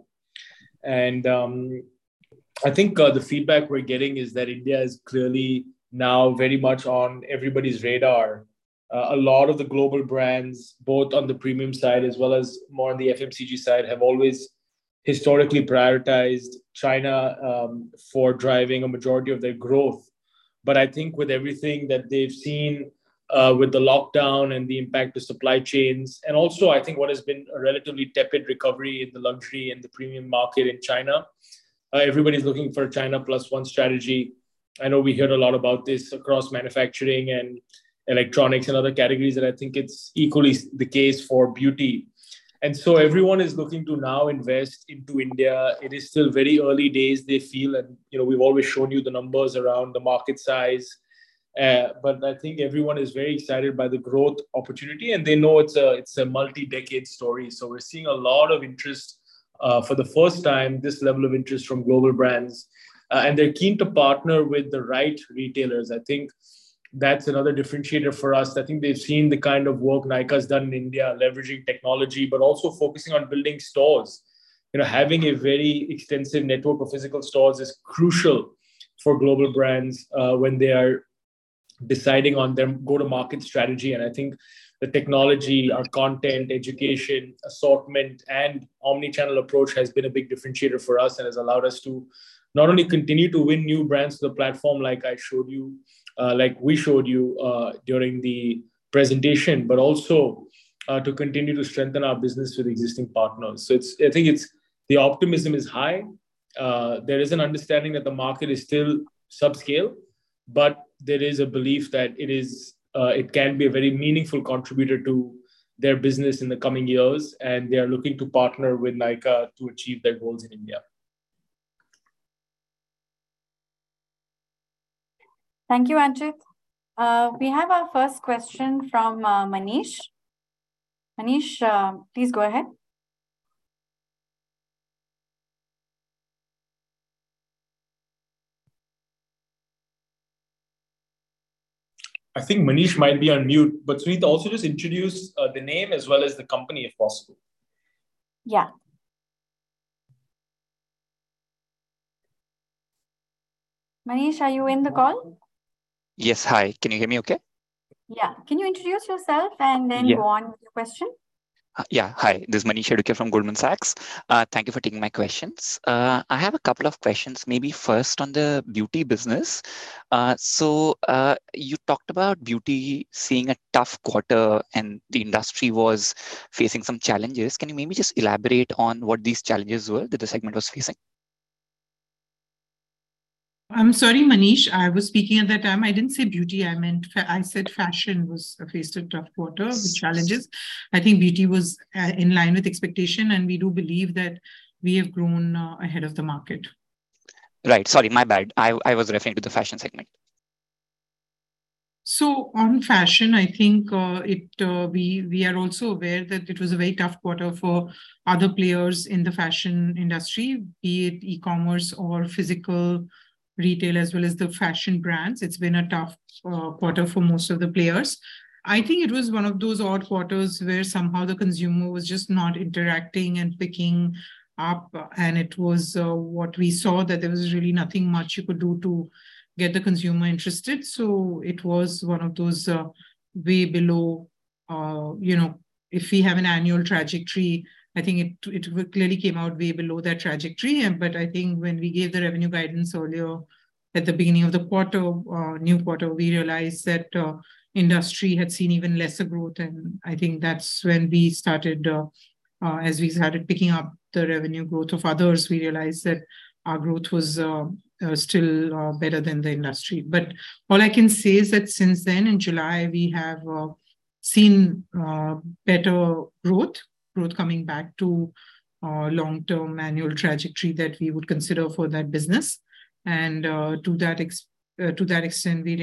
Speaker 7: I think, the feedback we're getting is that India is clearly now very much on everybody's radar. A lot of the global brands, both on the premium side as well as more on the FMCG side, have always historically prioritized China, for driving a majority of their growth. I think with everything that they've seen, with the lockdown and the impact to supply chains, and also I think what has been a relatively tepid recovery in the luxury and the premium market in China, everybody's looking for a China plus one strategy. I know we heard a lot about this across manufacturing and electronics and other categories. I think it's equally the case for beauty. Everyone is looking to now invest into India. It is still very early days they feel, you know, we've always shown you the numbers around the market size. I think everyone is very excited by the growth opportunity. They know it's a multi-decade story. We're seeing a lot of interest for the first time, this level of interest from global brands. They're keen to partner with the right retailers. I think that's another differentiator for us. I think they've seen the kind of work Nykaa's done in India leveraging technology, also focusing on building stores. You know, having a very extensive network of physical stores is crucial for global brands, when they are deciding on their go-to-market strategy. I think the technology, our content, education, assortment, and omni-channel approach has been a big differentiator for us and has allowed us to not only continue to win new brands to the platform like I showed you, like we showed you during the presentation, but also to continue to strengthen our business with existing partners. I think it's The optimism is high. There is an understanding that the market is still subscale, but there is a belief that it can be a very meaningful contributor to their business in the coming years, and they are looking to partner with Nykaa to achieve their goals in India.
Speaker 1: Thank you, Anchit. We have our first question from Manish. Manish, please go ahead.
Speaker 7: I think Manish might be on mute. Sunita also just introduce, the name as well as the company, if possible.
Speaker 1: Yeah. Manish, are you in the call?
Speaker 8: Yes. Hi. Can you hear me okay?
Speaker 1: Yeah. Can you introduce yourself?
Speaker 8: Yeah.
Speaker 1: Then go on with your question?
Speaker 8: Hi. This is Manish Adukia from Goldman Sachs. Thank you for taking my questions. I have a couple of questions, maybe first on the beauty business. You talked about beauty seeing a tough quarter and the industry was facing some challenges. Can you maybe just elaborate on what these challenges were that the segment was facing?
Speaker 2: I'm sorry, Manish. I was speaking at that time. I didn't say Beauty. I meant I said Fashion faced a tough quarter with challenges. I think Beauty was in line with expectation, and we do believe that we have grown ahead of the market.
Speaker 8: Right. Sorry, my bad. I was referring to the fashion segment.
Speaker 2: On fashion, I think, we are also aware that it was a very tough quarter for other players in the fashion industry, be it e-commerce or physical retail as well as the fashion brands. It's been a tough quarter for most of the players. I think it was one of those odd quarters where somehow the consumer was just not interacting and picking up, and it was what we saw that there was really nothing much you could do to get the consumer interested. It was one of those way below, you know, if we have an annual trajectory, I think it clearly came out way below that trajectory. I think when we gave the revenue guidance earlier at the beginning of the quarter, new quarter, we realized that industry had seen even lesser growth. I think that's when we started as we started picking up the revenue growth of others, we realized that our growth was still better than the industry. All I can say is that since then, in July, we have seen better growth coming back to our long-term annual trajectory that we would consider for that business. To that extent, we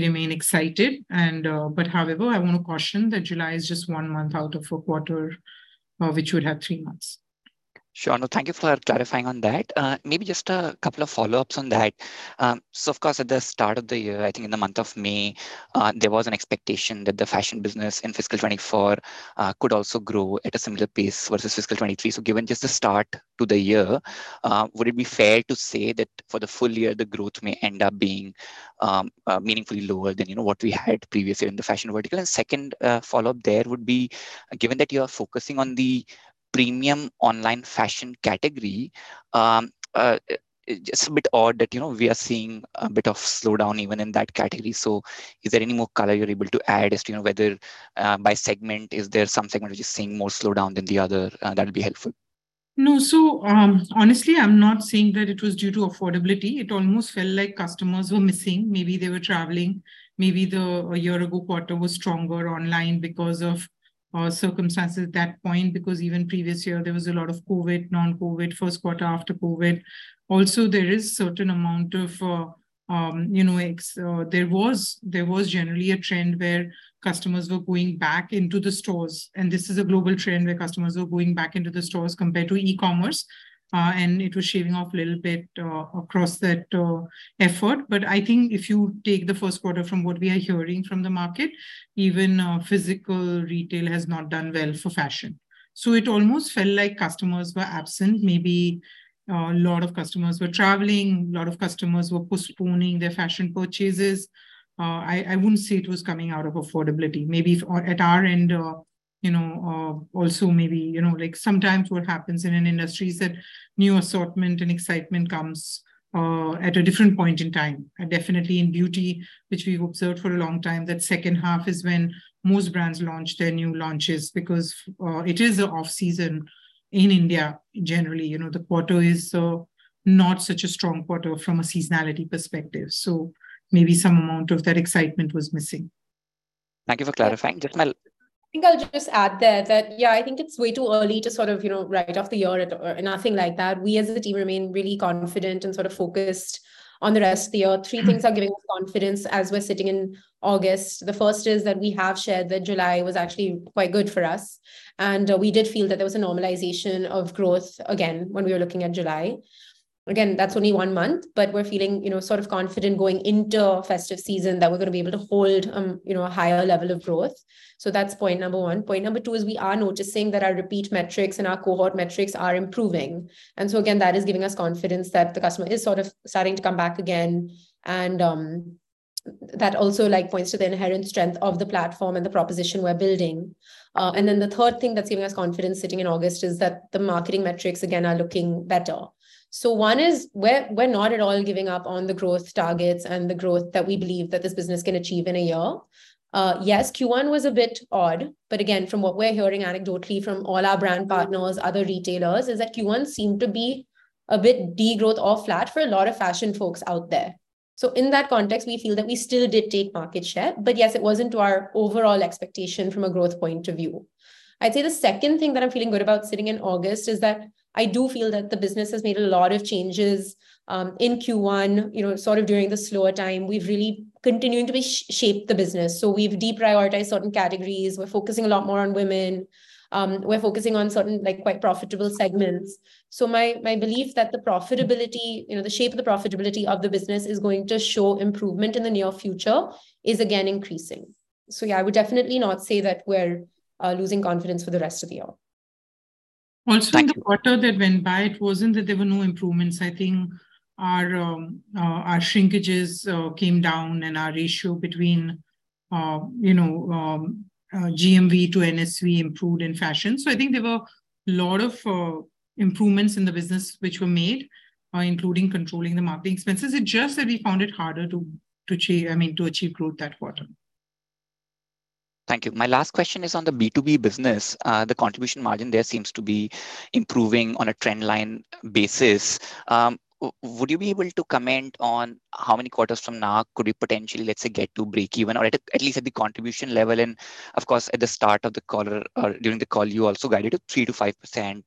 Speaker 2: remain excited. However, I want to caution that July is just one month out of a quarter, which would have three months.
Speaker 8: Sure. No, thank you for clarifying on that. Maybe just a couple of follow-ups on that. Of course, at the start of the year, I think in the month of May, there was an expectation that the fashion business in fiscal 2024 could also grow at a similar pace versus fiscal 2023. Given just the start to the year, would it be fair to say that for the full year, the growth may end up being meaningfully lower than, you know, what we had previously in the fashion vertical? Second, follow-up there would be, given that you are focusing on the premium online fashion category, it's a bit odd that, you know, we are seeing a bit of slowdown even in that category. Is there any more color you're able to add as to, you know, whether by segment, is there some segment which is seeing more slowdown than the other? That'll be helpful.
Speaker 2: No. Honestly, I'm not saying that it was due to affordability. It almost felt like customers were missing. Maybe they were traveling. Maybe the a year ago quarter was stronger online because of circumstances at that point, because even previous year there was a lot of COVID, non-COVID, first quarter after COVID. Also, there is certain amount of, you know, there was generally a trend where customers were going back into the stores, and this is a global trend where customers were going back into the stores compared to e-commerce. It was shaving off a little bit across that effort. I think if you take the first quarter from what we are hearing from the market, even physical retail has not done well for fashion. It almost felt like customers were absent. Maybe a lot of customers were traveling, a lot of customers were postponing their fashion purchases. I wouldn't say it was coming out of affordability. Maybe if at our end or, you know, also maybe, you know, like sometimes what happens in an industry is that new assortment and excitement comes at a different point in time. Definitely in beauty, which we've observed for a long time, that second half is when most brands launch their new launches because it is a off-season in India generally. You know, the quarter is not such a strong quarter from a seasonality perspective. Maybe some amount of that excitement was missing.
Speaker 8: Thank you for clarifying. [Jismil]
Speaker 3: I think I'll just add there that, yeah, I think it's way too early to sort of, you know, write off the year at all. Nothing like that. We as a team remain really confident and sort of focused on the rest of the year. Three things are giving us confidence as we're sitting in August. The first is that we have shared that July was actually quite good for us, and we did feel that there was a normalization of growth again when we were looking at July. Again, that's only one month, but we're feeling, you know, sort of confident going into festive season that we're gonna be able to hold, you know, a higher level of growth. That's point number one. Point number two is we are noticing that our repeat metrics and our cohort metrics are improving. Again, that is giving us confidence that the customer is sort of starting to come back again and that also like points to the inherent strength of the platform and the proposition we're building. The third thing that's giving us confidence sitting in August is that the marketing metrics again are looking better. One is we're not at all giving up on the growth targets and the growth that we believe that this business can achieve in a year. Yes, Q1 was a bit odd, but again, from what we're hearing anecdotally from all our brand partners, other retailers, is that Q1 seemed to be a bit degrowth or flat for a lot of fashion folks out there. In that context, we feel that we still did take market share. Yes, it wasn't to our overall expectation from a growth point of view. I'd say the second thing that I'm feeling good about sitting in August is that I do feel that the business has made a lot of changes in Q1. You know, sort of during the slower time. We've really continuing to shape the business. We've deprioritized certain categories. We're focusing a lot more on women. We're focusing on certain, like quite profitable segments. My belief that the profitability, you know, the shape of the profitability of the business is going to show improvement in the near future is again increasing. Yeah, I would definitely not say that we're losing confidence for the rest of the year.
Speaker 2: In the quarter that went by, it wasn't that there were no improvements. I think our shrinkages came down and our ratio between, you know, GMV to NSV improved in Fashion. I think there were a lot of improvements in the business which were made, including controlling the marketing expenses. It's just that we found it harder to achieve, I mean, to achieve growth that quarter.
Speaker 8: Thank you. My last question is on the B2B business. The contribution margin there seems to be improving on a trend line basis. Would you be able to comment on how many quarters from now could we potentially, let's say, get to breakeven or at least at the contribution level? Of course, at the start of the call or during the call, you also guided a 3%-5%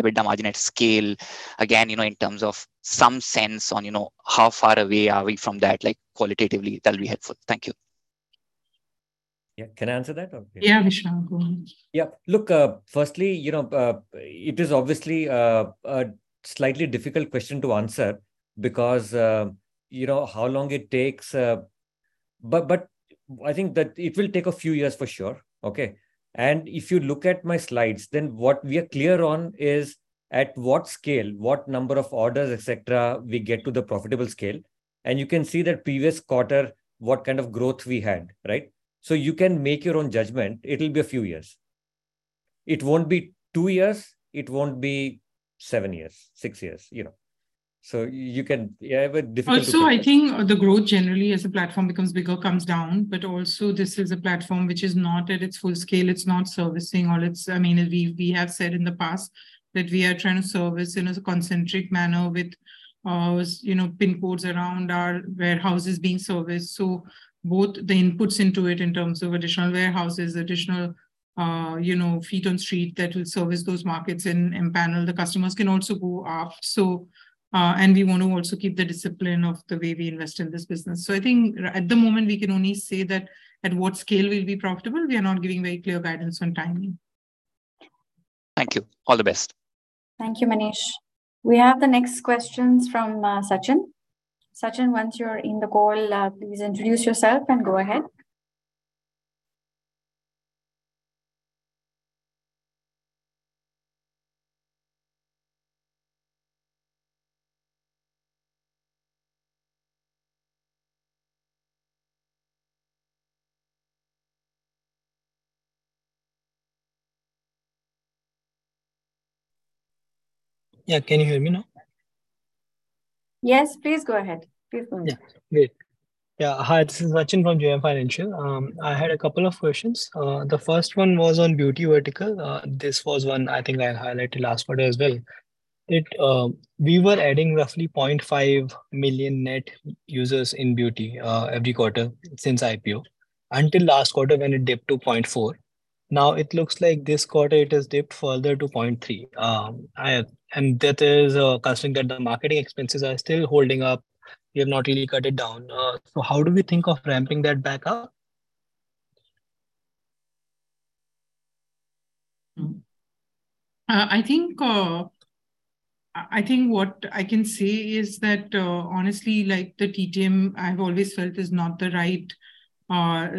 Speaker 8: EBITDA margin at scale. Again, you know, in terms of some sense on, you know, how far away are we from that, like qualitatively, that'll be helpful. Thank you.
Speaker 4: Yeah. Can I answer that or?
Speaker 2: Yeah, Vishal. Go ahead.
Speaker 4: Yeah. Look, firstly, you know, it is obviously a slightly difficult question to answer because, you know how long it takes. But I think that it will take a few years for sure, okay. If you look at my slides, then what we are clear on is at what scale, what number of orders, et cetera, we get to the profitable scale. You can see that previous quarter, what kind of growth we had, right? You can make your own judgment. It will be a few years. It will not be two years, it will not be seven years, six years, you know.
Speaker 2: I think the growth generally as the platform becomes bigger, comes down. Also this is a platform which is not at its full scale. It's not servicing all its. I mean, we have said in the past that we are trying to service in a concentric manner with, you know, PIN codes around our warehouses being serviced. Both the inputs into it in terms of additional warehouses, additional, you know, feet on street that will service those markets and panel the customers can also go off. And we want to also keep the discipline of the way we invest in this business. I think at the moment we can only say that at what scale we'll be profitable. We are not giving very clear guidance on timing.
Speaker 8: Thank you. All the best.
Speaker 1: Thank you, Manish. We have the next questions from Sachin. Sachin, once you're in the call, please introduce yourself and go ahead.
Speaker 9: Yeah. Can you hear me now?
Speaker 1: Yes, please go ahead. Please go ahead.
Speaker 9: Yeah. Great. Yeah. Hi, this is Sachin from JM Financial. I had a couple of questions. The first one was on beauty vertical. This was one I think I highlighted last quarter as well. We were adding roughly 0.5 million net users in beauty every quarter since IPO, until last quarter when it dipped to 0.4 million. Now it looks like this quarter it has dipped further to 0.3 million. That is, considering that the marketing expenses are still holding up, you have not really cut it down. How do we think of ramping that back up?
Speaker 2: I think, I think what I can say is that, honestly, like the TTM, I've always felt is not the right,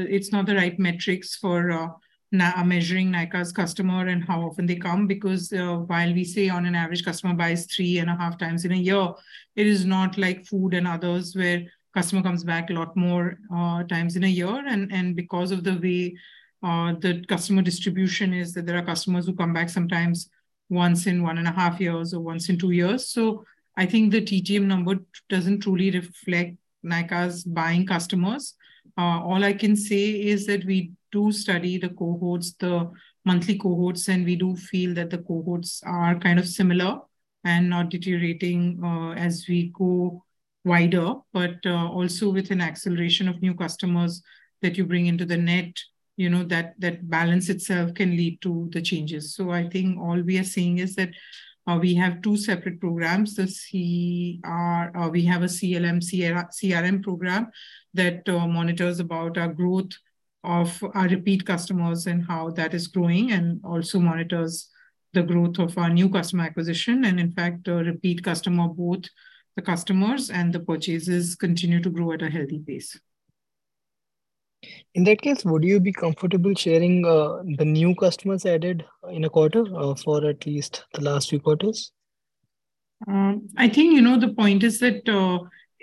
Speaker 2: it's not the right metrics for measuring Nykaa's customer and how often they come, because, while we say on an average customer buys 3.5x in a year, it is not like food and others where customer comes back a lot more times in a year. Because of the way the customer distribution is that there are customers who come back sometimes once in one and a half years or once in two years. I think the TTM number doesn't truly reflect Nykaa's buying customers. All I can say is that we do study the cohorts, the monthly cohorts, and we do feel that the cohorts are kind of similar and not deteriorating as we go wider. Also with an acceleration of new customers that you bring into the net, you know, that balance itself can lead to the changes. I think all we are saying is that we have two separate programs. We have a CLM CRM program that monitors about our growth of our repeat customers and how that is growing, and also monitors the growth of our new customer acquisition. In fact, a repeat customer, both the customers and the purchases continue to grow at a healthy pace.
Speaker 9: In that case, would you be comfortable sharing the new customers added in a quarter for at least the last few quarters?
Speaker 2: I think, you know, the point is that,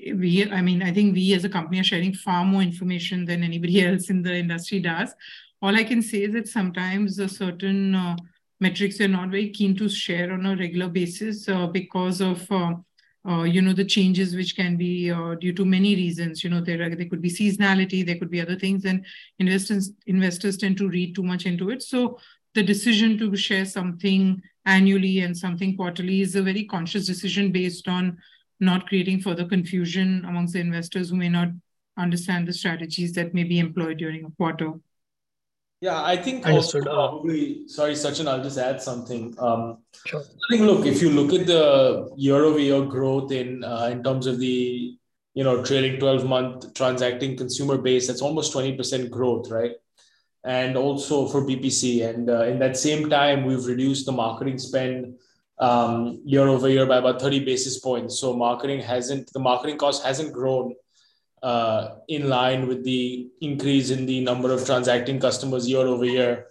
Speaker 2: I mean, I think we as a company are sharing far more information than anybody else in the industry does. All I can say is that sometimes certain metrics we're not very keen to share on a regular basis, because of, you know, the changes which can be due to many reasons. You know, there could be seasonality, there could be other things, and investors tend to read too much into it. The decision to share something annually and something quarterly is a very conscious decision based on not creating further confusion amongst the investors who may not understand the strategies that may be employed during a quarter.
Speaker 7: Yeah, I think also.
Speaker 9: Understood.
Speaker 7: Probably. Sorry, Sachin, I'll just add something.
Speaker 9: Sure.
Speaker 7: I think, look, if you look at the year-over-year growth in terms of the, you know, trailing 12-month transacting consumer base, that's almost 20% growth, right? Also for BPC. In that same time, we've reduced the marketing spend year-over-year by about 30 basis points. The marketing cost hasn't grown in line with the increase in the number of transacting customers year-over-year.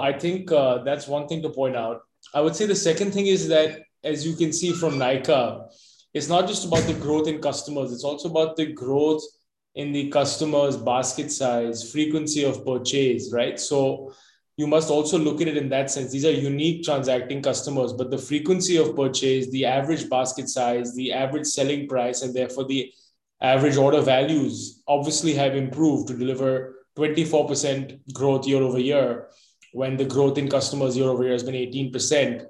Speaker 7: I think that's one thing to point out. I would say the second thing is that, as you can see from Nykaa, it's not just about the growth in customers, it's also about the growth in the customer's basket size, frequency of purchase, right? You must also look at it in that sense. These are unique transacting customers. The frequency of purchase, the average basket size, the average selling price, and therefore the average order values obviously have improved to deliver 24% growth year-over-year, when the growth in customers year-over-year has been 18%.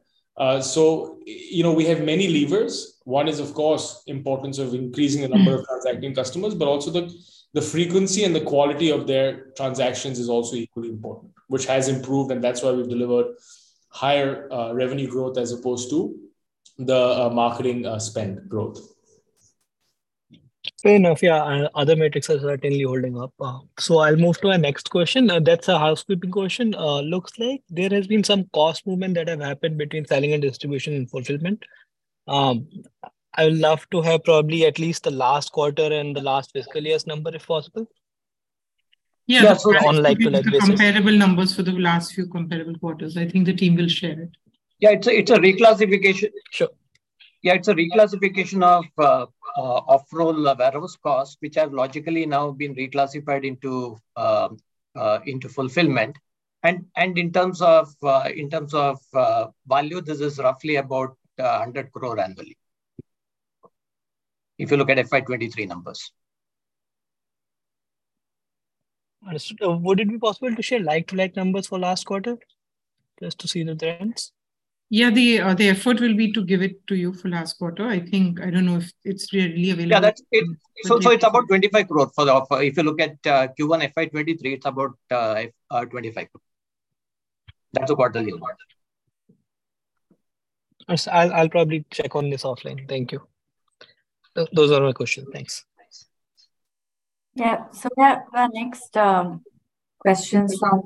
Speaker 7: You know, we have many levers. One is, of course, importance of increasing the of [inaudible] transacting customers, but also the frequency and the quality of their transactions is also equally important, which has improved. That's why we've delivered higher revenue growth as opposed to the marketing spend growth.
Speaker 9: Fair enough. Yeah. Other metrics are certainly holding up. I'll move to my next question. That's a housekeeping question. Looks like there has been some cost movement that have happened between selling and distribution and fulfillment. I would love to have probably at least the last quarter and the last fiscal year's number, if possible.
Speaker 2: Yeah.
Speaker 9: Just on like-to-like basis.
Speaker 2: We can give you the comparable numbers for the last few comparable quarters. I think the team will share it.
Speaker 5: Yeah. It's a reclassification.
Speaker 9: Sure.
Speaker 5: Yeah. It's a reclassification of off-roll warehouse costs, which have logically now been reclassified into fulfillment. In terms of, in terms of value, this is roughly about 100 crore annually, if you look at FY 2023 numbers.
Speaker 9: Understood. Would it be possible to share like-to-like numbers for last quarter, just to see the trends?
Speaker 2: Yeah. The effort will be to give it to you for last quarter. I think I don't know if it's readily available.
Speaker 5: Yeah. That's it. It's also about 25 crore for the off-roll. If you look at Q1 FY 2023, it's about 25 crore. That's the quarter you want.
Speaker 9: Yes. I'll probably check on this offline. Thank you. Those are my questions. Thanks.
Speaker 1: We have our next questions from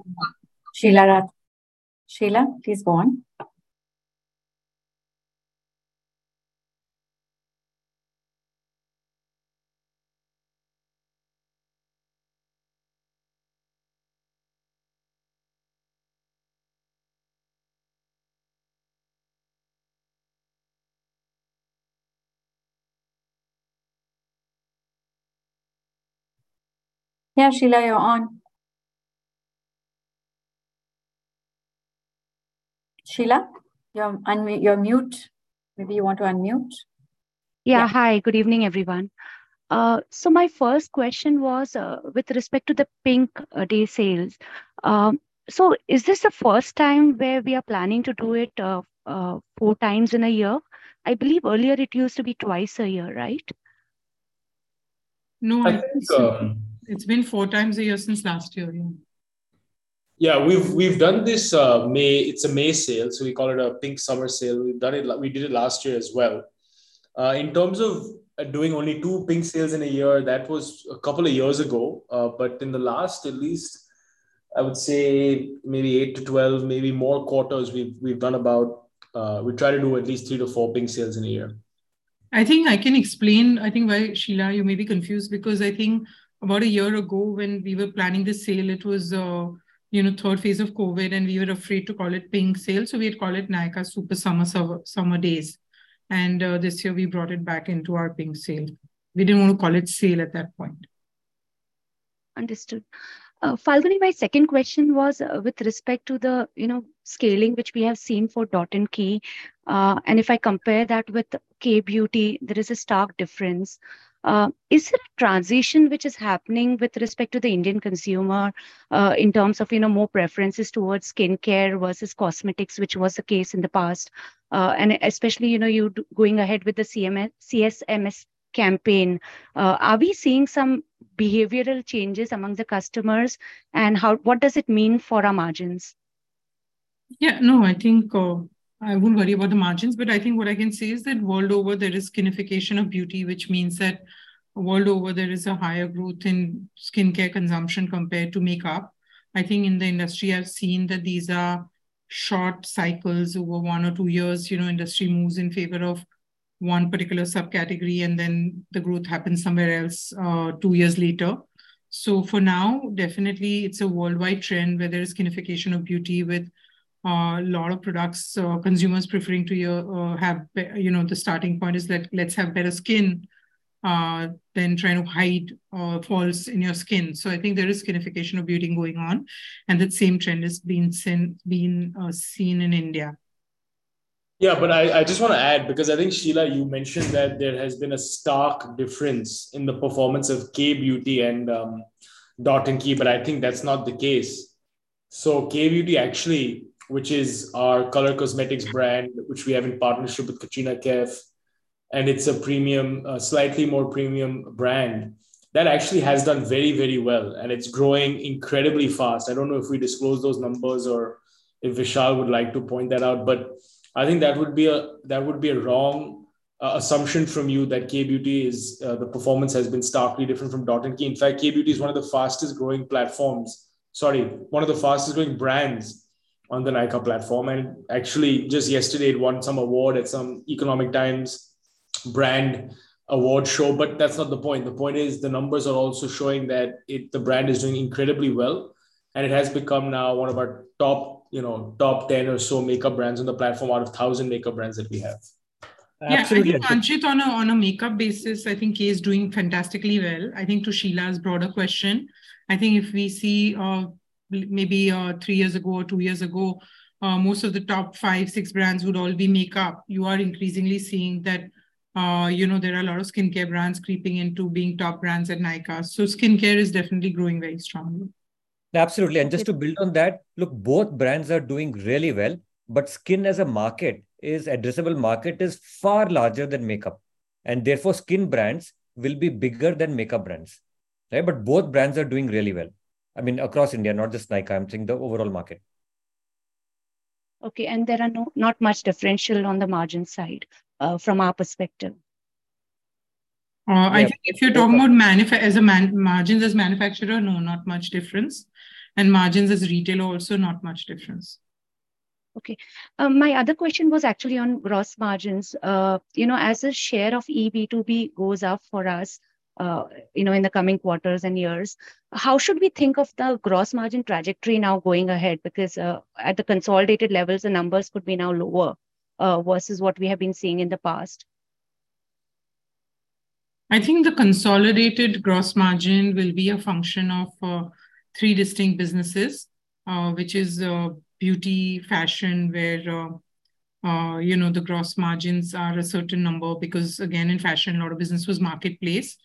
Speaker 1: Sheela Rathi. Sheela, please go on. Sheela, you're on. Sheela, you're mute. Maybe you want to unmute.
Speaker 10: Yeah. Hi, good evening everyone? My first question was with respect to the Pink Sale. Is this the first time where we are planning to do it four times in a year? I believe earlier it used to be twice a year, right?
Speaker 2: No, I think so.
Speaker 7: I think.
Speaker 2: It's been four times a year since last year, yeah.
Speaker 7: We've done this. It's a May sale. We call it a Pink Summer Sale. We did it last year as well. In terms of doing only two Pink sales in a year, that was a couple of years ago. In the last, at least I would say maybe eight to 12, maybe more quarters, we've done about, we try to do at least three to four Pink sales in a year.
Speaker 2: I think I can explain, I think why, Sheela, you may be confused because I think about one year ago when we were planning the sale, it was, you know, third phase of COVID and we were afraid to call it Pink Sale, so we would call it Nykaa Super Summer Saver Days. This year we brought it back into our Pink Sale. We didn't want to call it sale at that point.
Speaker 10: Understood. Falguni, my second question was with respect to the, you know, scaling, which we have seen for Dot & Key. If I compare that with the Kay Beauty, there is a stark difference. Is it a transition which is happening with respect to the Indian consumer, in terms of, you know, more preferences towards skincare versus cosmetics, which was the case in the past? Especially, you know, going ahead with the CSMS campaign, are we seeing some behavioral changes among the customers? What does it mean for our margins?
Speaker 2: No, I think, I wouldn't worry about the margins, but I think what I can say is that world over there is skinification of beauty, which means that world over there is a higher growth in skincare consumption compared to makeup. I think in the industry I've seen that these are short cycles over one or two years, you know, industry moves in favor of one particular sub-category, and then the growth happens somewhere else, two years later. For now, definitely it's a worldwide trend where there is skinification of beauty with, lot of products. Consumers preferring to, you know, the starting point is let's have better skin than trying to hide flaws in your skin. I think there is skinification of beauty going on, and that same trend is being seen in India.
Speaker 7: Yeah. I just wanna add, because I think, Sheela, you mentioned that there has been a stark difference in the performance of Kay Beauty and Dot & Key, but I think that's not the case. Kay Beauty actually, which is our color cosmetics brand, which we have in partnership with Katrina Kaif, and it's a slightly more premium brand, that actually has done very well, and it's growing incredibly fast. I don't know if we disclose those numbers or if Vishal would like to point that out, but I think that would be a wrong assumption from you that Kay Beauty is the performance has been starkly different from Dot & Key. In fact, Kay Beauty is one of the fastest growing brands on the Nykaa platform. Actually just yesterday it won some award at some Economic Times brand award show. That's not the point. The point is the numbers are also showing that the brand is doing incredibly well and it has become now one of our top, you know, top 10 or so makeup brands on the platform out of 1,000 makeup brands that we have.
Speaker 2: Yeah.
Speaker 4: Absolutely.
Speaker 2: I think, Anchit, on a makeup basis, I think Kay Beauty is doing fantastically well. I think to Sheela's broader question, I think if we see, maybe three years ago or two years ago, most of the top five, six brands would all be makeup. You are increasingly seeing that, you know, there are a lot of skincare brands creeping into being top brands at Nykaa. Skincare is definitely growing very strongly.
Speaker 4: Absolutely.
Speaker 10: Okay.
Speaker 4: Just to build on that, look, both brands are doing really well, but skin as a market is, addressable market, is far larger than makeup, and therefore skin brands will be bigger than makeup brands. Right? Both brands are doing really well. I mean, across India, not just Nykaa, I am saying the overall market.
Speaker 10: Okay. There are not much differential on the margin side from our perspective?
Speaker 2: I think if you're talking about margins as manufacturer, no, not much difference. Margins as retailer also, not much difference.
Speaker 10: Okay. My other question was actually on gross margins. You know, as a share of eB2B goes up for us, you know, in the coming quarters and years, how should we think of the gross margin trajectory now going ahead? At the consolidated levels, the numbers could be now lower versus what we have been seeing in the past.
Speaker 2: I think the consolidated gross margin will be a function of three distinct businesses, which is beauty, fashion, where, you know, the gross margins are a certain number because again, in fashion a lot of business was marketplace,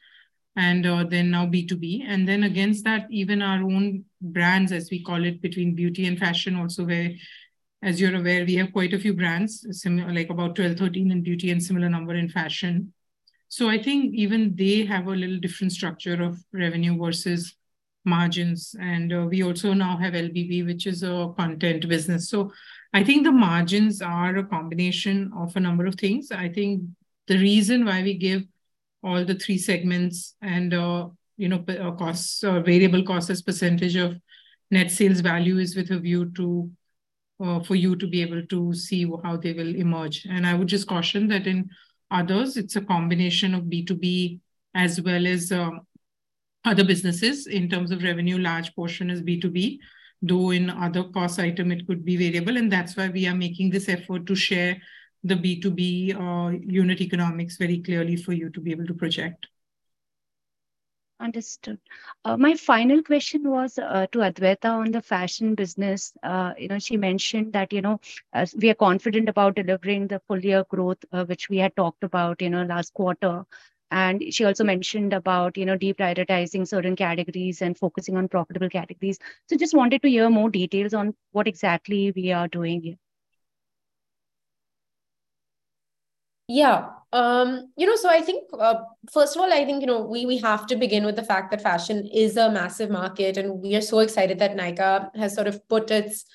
Speaker 2: then now B2B. Against that, even our own brands, as we call it, between beauty and fashion also where, as you're aware, we have quite a few brands, like, about 12, 13 in beauty and similar number in fashion. I think even they have a little different structure of revenue versus margins. We also now have LBB, which is a content business. I think the margins are a combination of a number of things. I think the reason why we give all the three segments and, you know, costs, variable costs as percentage of net sales value is with a view to for you to be able to see how they will emerge. I would just caution that in others it's a combination of B2B as well as other businesses. In terms of revenue, large portion is B2B, though in other cost item it could be variable, and that's why we are making this effort to share the B2B unit economics very clearly for you to be able to project.
Speaker 10: Understood. My final question was to Adwaita on the fashion business. You know, she mentioned that, you know, we are confident about delivering the full year growth, which we had talked about, you know, last quarter. She also mentioned about, you know, deprioritizing certain categories and focusing on profitable categories. Just wanted to hear more details on what exactly we are doing here.
Speaker 3: Yeah. You know, I think, first of all, I think, you know, we have to begin with the fact that fashion is a massive market, and we are so excited that Nykaa has sort of put its,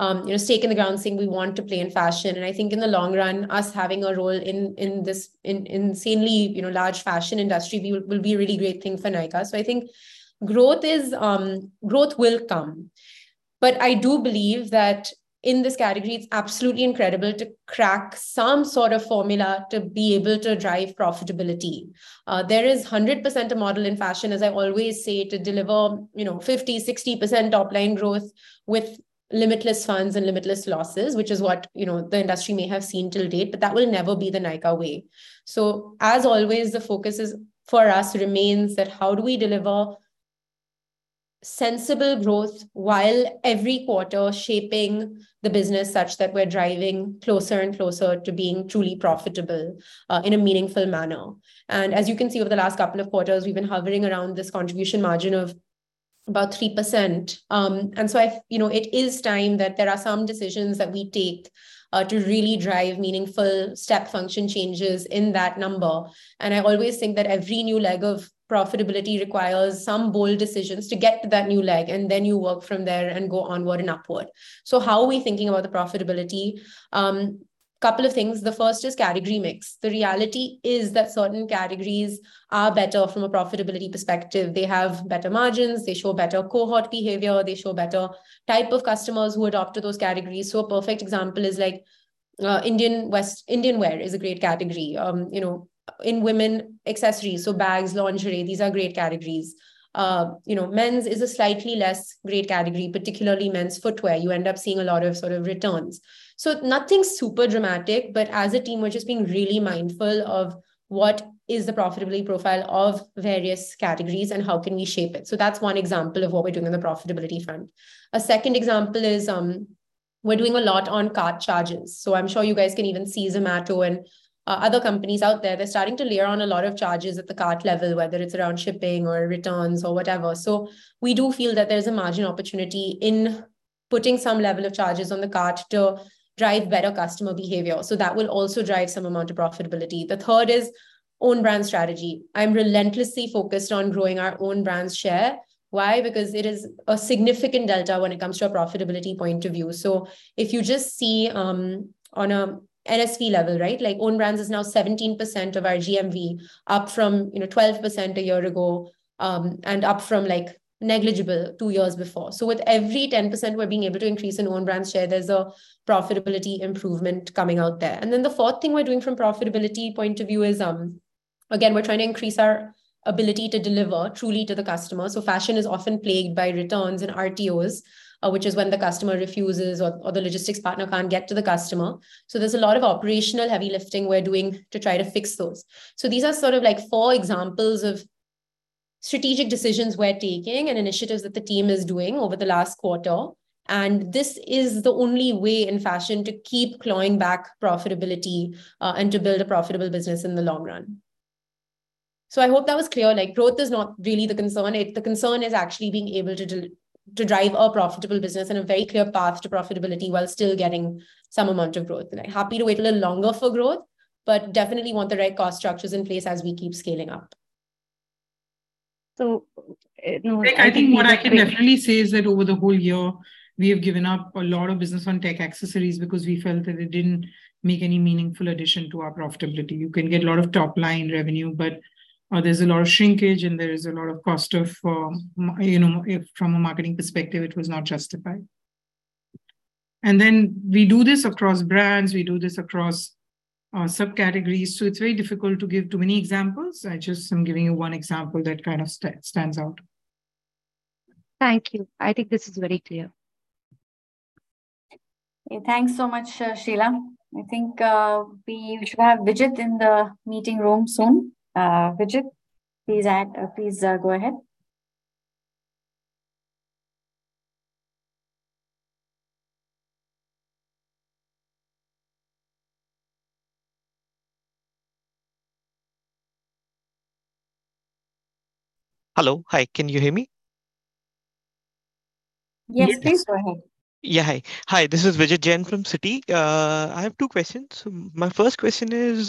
Speaker 3: you know, stake in the ground saying, we want to play in fashion. I think in the long run, us having a role in this insanely, you know, large fashion industry will be a really great thing for Nykaa. I think growth will come. I do believe that in this category, it's absolutely incredible to crack some sort of formula to be able to drive profitability. There is 100% a model in fashion, as I always say, to deliver, you know, 50%-60% top-line growth with limitless funds and limitless losses, which is what, you know, the industry may have seen till date, but that will never be the Nykaa way. As always, the focus is, for us remains that how do we deliver sensible growth while every quarter shaping the business such that we're driving closer and closer to being truly profitable in a meaningful manner. As you can see, over the last couple of quarters, we've been hovering around this contribution margin of about 3%. You know, it is time that there are some decisions that we take to really drive meaningful step function changes in that number. I always think that every new leg of profitability requires some bold decisions to get to that new leg, and then you work from there and go onward and upward. How are we thinking about the profitability? Couple of things. The first is category mix. The reality is that certain categories are better from a profitability perspective. They have better margins. They show better cohort behavior. They show better type of customers who adopt to those categories. A perfect example is, like, Indian wear is a great category. You know, in women accessories, so bags, lingerie, these are great categories. You know, men's is a slightly less great category, particularly men's footwear. You end up seeing a lot of sort of returns. Nothing super dramatic, but as a team, we're just being really mindful of what is the profitability profile of various categories and how can we shape it. A second example is, we're doing a lot on cart charges. I'm sure you guys can even see Zomato and other companies out there. They're starting to layer on a lot of charges at the cart level, whether it's around shipping or returns or whatever. We do feel that there's a margin opportunity in putting some level of charges on the cart to drive better customer behavior. That will also drive some amount of profitability. The third is own brand strategy. I'm relentlessly focused on growing our own brand share. Why? It is a significant delta when it comes to a profitability point of view. If you just see, on a NSV level, right? Like, own brands is now 17% of our GMV, up from, you know, 12% a year ago, and up from, like, negligible two years before. With every 10% we're being able to increase in own brand share, there's a profitability improvement coming out there. The fourth thing we're doing from profitability point of view is, again, we're trying to increase our ability to deliver truly to the customer. Fashion is often plagued by returns and RTOs, which is when the customer refuses or the logistics partner can't get to the customer. There's a lot of operational heavy lifting we're doing to try to fix those. These are sort of like four examples of strategic decisions we're taking and initiatives that the team is doing over the last quarter, and this is the only way in fashion to keep clawing back profitability and to build a profitable business in the long run. I hope that was clear. Growth is not really the concern. The concern is actually being able to drive a profitable business and a very clear path to profitability while still getting some amount of growth. I am happy to wait a little longer for growth, but definitely want the right cost structures in place as we keep scaling up.
Speaker 10: So-
Speaker 2: I think what I can definitely say is that over the whole year, we have given up a lot of business on tech accessories because we felt that it didn't make any meaningful addition to our profitability. You can get a lot of top-line revenue, but there's a lot of shrinkage and there is a lot of cost of, you know, if from a marketing perspective, it was not justified. Then we do this across brands, we do this across subcategories, so it's very difficult to give too many examples. I just am giving you one example that kind of stands out.
Speaker 10: Thank you. I think this is very clear.
Speaker 1: Okay. Thanks so much, Sheela. I think, we should have Vijit in the meeting room soon. Vijit, please go ahead.
Speaker 11: Hello. Hi. Can you hear me?
Speaker 1: Yes, please go ahead.
Speaker 11: Yeah. Hi. Hi. This is Vijit Jain from Citi. I have two questions. My first question is,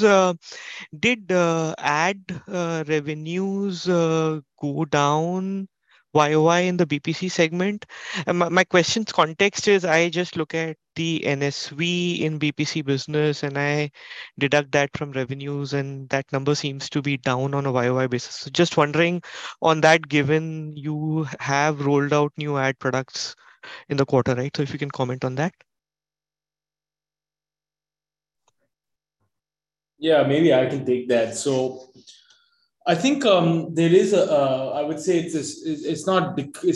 Speaker 11: did ad revenues go down YOY in the BPC segment? My question's context is I just look at the NSV in BPC business and I deduct that from revenues, and that number seems to be down on a YOY basis. Just wondering on that, given you have rolled out new ad products in the quarter, right? If you can comment on that.
Speaker 7: Yeah, maybe I can take that. I think there is a I would say it's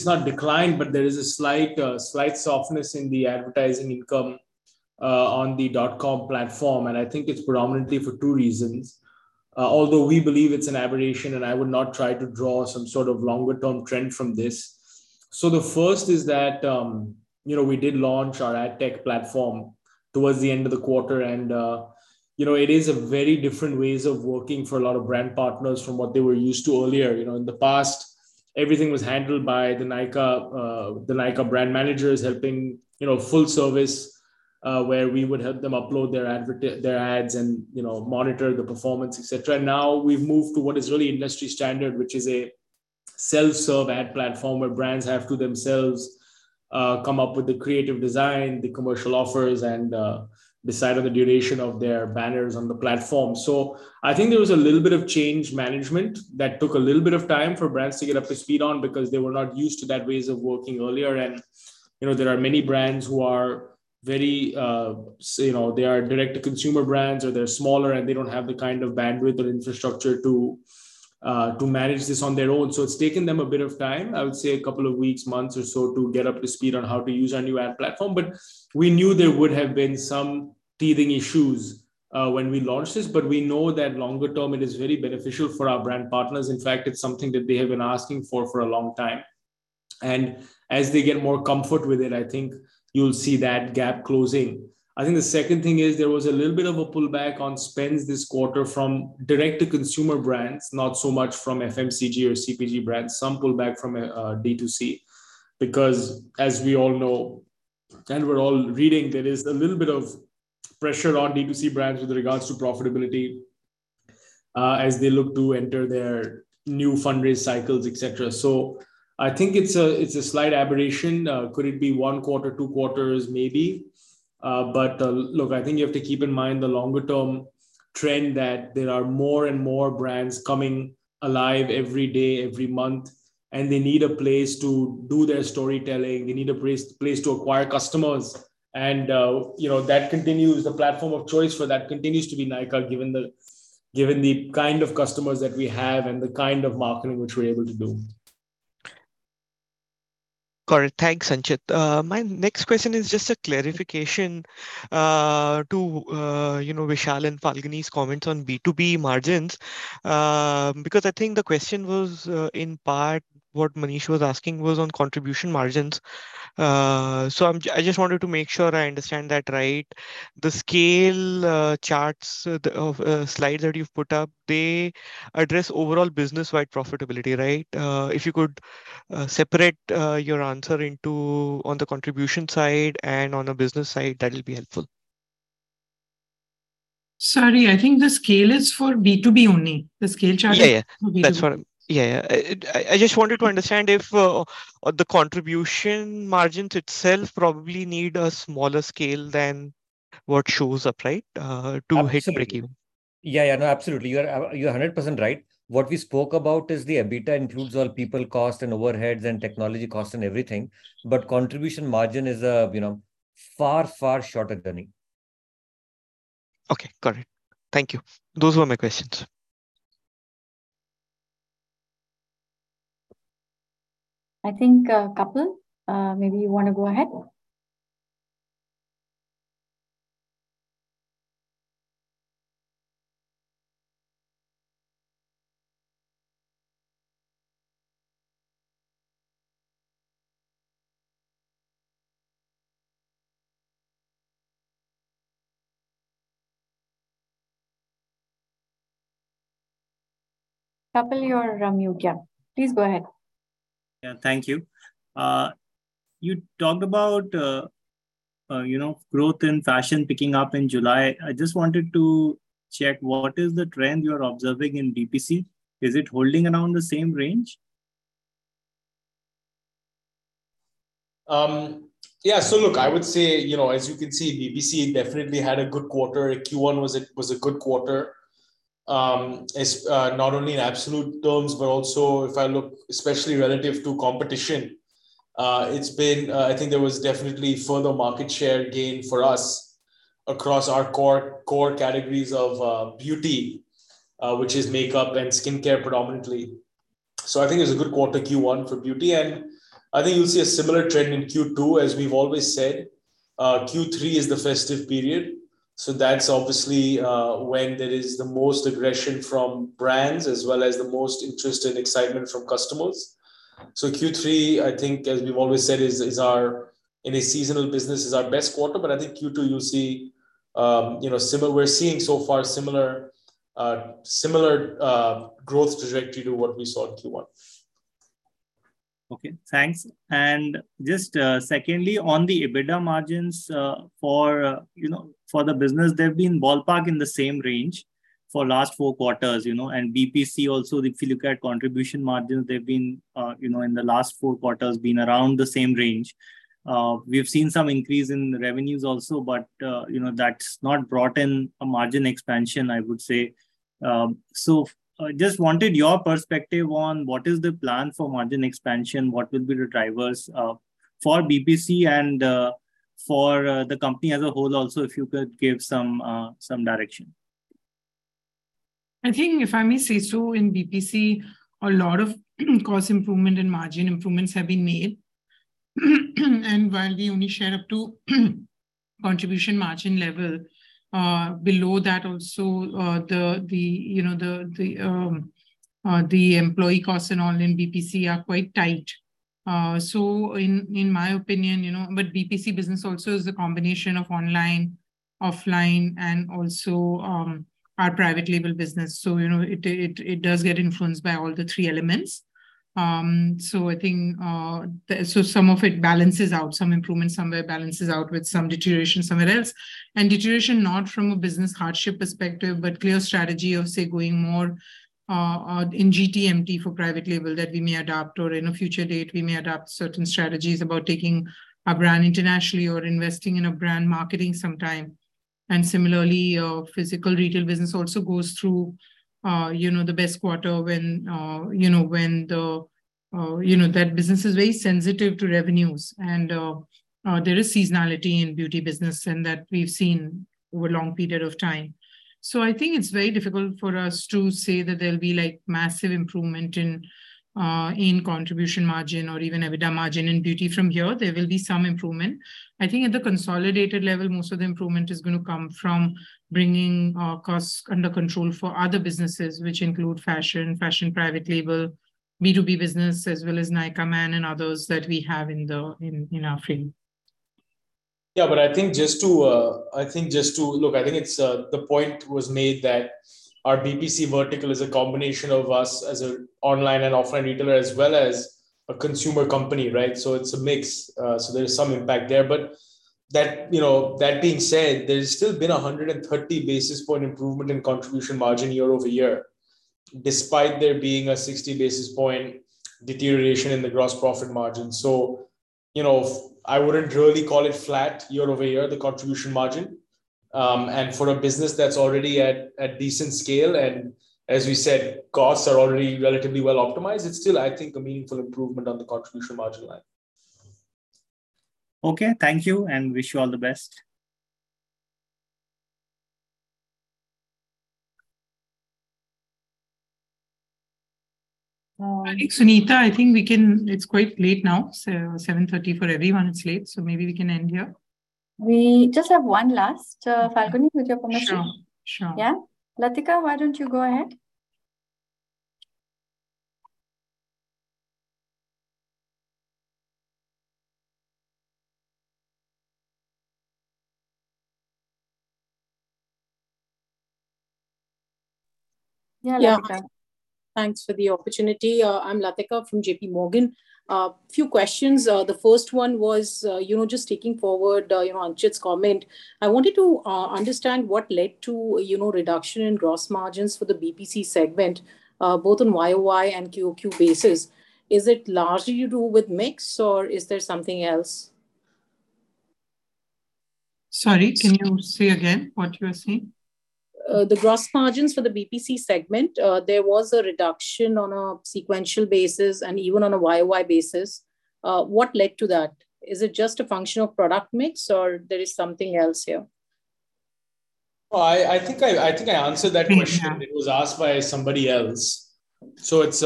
Speaker 7: not declined, but there is a slight slight softness in the advertising income on the dotcom platform, and I think it's predominantly for two reasons. Although we believe it's an aberration, and I would not try to draw some sort of longer term trend from this. The first is that, you know, we did launch our ad tech platform towards the end of the quarter and, you know, it is a very different ways of working for a lot of brand partners from what they were used to earlier. You know, in the past, everything was handled by the Nykaa, the Nykaa brand managers helping, you know, full service, where we would help them upload their ads and, you know, monitor the performance, et cetera. Now, we've moved to what is really industry standard, which is a self-serve ad platform where brands have to themselves, come up with the creative design, the commercial offers and decide on the duration of their banners on the platform. I think there was a little bit of change management that took a little bit of time for brands to get up to speed on because they were not used to that ways of working earlier. You know, there are many brands who are very, you know, they are direct-to-consumer brands or they're smaller and they don't have the kind of bandwidth or infrastructure to manage this on their own. It's taken them a bit of time, I would say a couple of weeks, months or so, to get up to speed on how to use our new ad platform. We knew there would have been some teething issues when we launched this. We know that longer term it is very beneficial for our brand partners. In fact, it's something that they have been asking for for a long time. As they get more comfort with it, I think you'll see that gap closing. I think the second thing is there was a little bit of a pullback on spends this quarter from direct-to-consumer brands, not so much from FMCG or CPG brands. Some pullback from D2C because as we all know and we're all reading, there is a little bit of pressure on D2C brands with regards to profitability as they look to enter their new fundraise cycles, et cetera. I think it's a, it's a slight aberration. Could it be one quarter, two quarters? Maybe. Look, I think you have to keep in mind the longer term trend that there are more and more brands coming alive every day, every month, and they need a place to do their storytelling. They need a place to acquire customers. You know, that continues. The platform of choice for that continues to be Nykaa, given the kind of customers that we have and the kind of marketing which we're able to do.
Speaker 11: Correct. Thanks, Anchit. My next question is just a clarification, to, you know, Vishal and Falguni's comments on B2B margins, because I think the question was, in part, what Manish was asking was on contribution margins. I just wanted to make sure I understand that right. The scale charts, the, of, slides that you've put up, they address overall business-wide profitability, right? If you could, separate, your answer into on the contribution side and on a business side, that'll be helpful.
Speaker 2: Sorry, I think the scale is for B2B only. The scale chart is for B2B.
Speaker 11: Yeah, yeah. That's what. Yeah, yeah. I just wanted to understand if the contribution margins itself probably need a smaller scale than what shows up, right?
Speaker 7: Absolutely
Speaker 11: To hit breakeven.
Speaker 4: Yeah. No, absolutely. You are 100% right. What we spoke about is the EBITDA includes all people cost and overheads and technology costs and everything. Contribution margin is a, you know, far shorter journey.
Speaker 11: Okay. Got it. Thank you. Those were my questions.
Speaker 1: I think, Kapil, maybe you wanna go ahead. Kapil, you're on mute, yeah. Please go ahead.
Speaker 12: Yeah. Thank you. You talked about, you know, growth in fashion picking up in July. I just wanted to check, what is the trend you're observing in BPC? Is it holding around the same range?
Speaker 7: Yeah. Look, I would say, you know, as you can see, BPC definitely had a good quarter. Q1 was a good quarter, not only in absolute terms, but also if I look especially relative to competition. I think there was definitely further market share gain for us across our core categories of beauty, which is makeup and skincare predominantly. I think it was a good quarter, Q1, for beauty, and I think you'll see a similar trend in Q2. As we've always said, Q3 is the festive period, so that's obviously when there is the most aggression from brands as well as the most interest and excitement from customers. Q3, I think, as we've always said, is in a seasonal business our best quarter. I think Q2 you'll see, you know, similar. We're seeing so far similar, growth trajectory to what we saw in Q1.
Speaker 12: Okay. Thanks. Just, secondly, on the EBITDA margins, for, you know, for the business, they've been ballpark in the same range for last four quarters, you know. BPC also, if you look at contribution margins, they've been, you know, in the last four quarters been around the same range. We've seen some increase in revenues also, but, you know, that's not brought in a margin expansion, I would say. Just wanted your perspective on what is the plan for margin expansion, what will be the drivers, for BPC and, for, the company as a whole also, if you could give some direction.
Speaker 2: I think if I may say so, in BPC a lot of cost improvement and margin improvements have been made. While we only share up to contribution margin level, below that also, you know, the employee costs and all in BPC are quite tight. In my opinion, you know, BPC business also is a combination of online, offline, and also our private label business. You know, it does get influenced by all the three elements. I think some of it balances out, some improvement somewhere balances out with some deterioration somewhere else. Deterioration not from a business hardship perspective, but clear strategy of, say, going more in GTMT for private label that we may adopt or in a future date we may adopt certain strategies about taking a brand internationally or investing in a brand marketing sometime. Similarly, our physical retail business also goes through you know the best quarter when you know that business is very sensitive to revenues and there is seasonality in beauty business and that we've seen over a long period of time. I think it's very difficult for us to say that there'll be like massive improvement in contribution margin or even EBITDA margin in beauty from here. There will be some improvement. I think at the consolidated level, most of the improvement is gonna come from bringing costs under control for other businesses which include fashion private label, B2B business, as well as Nykaa Man and others that we have in our frame.
Speaker 7: Yeah. I think just to look, I think it's the point was made that our BPC vertical is a combination of us as an online and offline retailer as well as a consumer company, right? So it's a mix. There's some impact there. That, you know, that being said, there's still been a 130 basis point improvement in contribution margin year-over-year, despite there being a 60 basis point deterioration in the gross profit margin. You know, I wouldn't really call it flat year-over-year, the contribution margin. For a business that's already at decent scale, and as we said, costs are already relatively well optimized, it's still, I think, a meaningful improvement on the contribution margin line.
Speaker 12: Okay. Thank you and wish you all the best.
Speaker 2: I think, Sunita, I think we can. It's quite late now, 7:30 P.M., for everyone it's late, so maybe we can end here.
Speaker 1: We just have one last, Falguni, with your permission.
Speaker 2: Sure. Sure.
Speaker 1: Yeah. Latika, why don't you go ahead? Yeah, Latika.
Speaker 13: Yeah. Thanks for the opportunity. I'm Latika from JP Morgan. A few questions. The first one was, you know, just taking forward, you know, Anchit's comment, I wanted to understand what led to, you know, reduction in gross margins for the BPC segment, both on YOY and QOQ basis. Is it largely to do with mix or is there something else?
Speaker 2: Sorry, can you say again what you are saying?
Speaker 13: The gross margins for the BPC segment, there was a reduction on a sequential basis and even on a YOY basis. What led to that? Is it just a function of product mix or there is something else here?
Speaker 7: Oh, I think I answered that question. It was asked by somebody else. It's,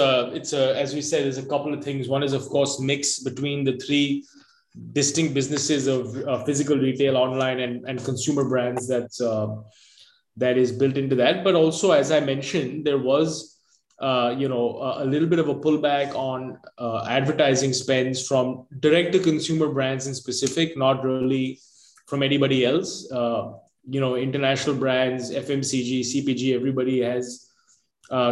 Speaker 7: as we said, there's a couple of things. One is, of course, mix between the three distinct businesses of physical retail, online and consumer brands that is built into that. Also as I mentioned, there was, you know, a little bit of a pullback on advertising spends from direct to consumer brands in specific, not really from anybody else. You know, international brands, FMCG, CPG, everybody has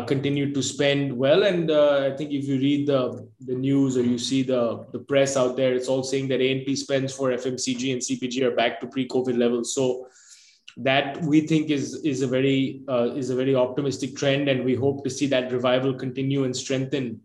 Speaker 7: continued to spend well. I think if you read the news or you see the press out there, it's all saying that A&P spends for FMCG and CPG are back to pre-COVID levels. That, we think, is a very optimistic trend, and we hope to see that revival continue and strengthen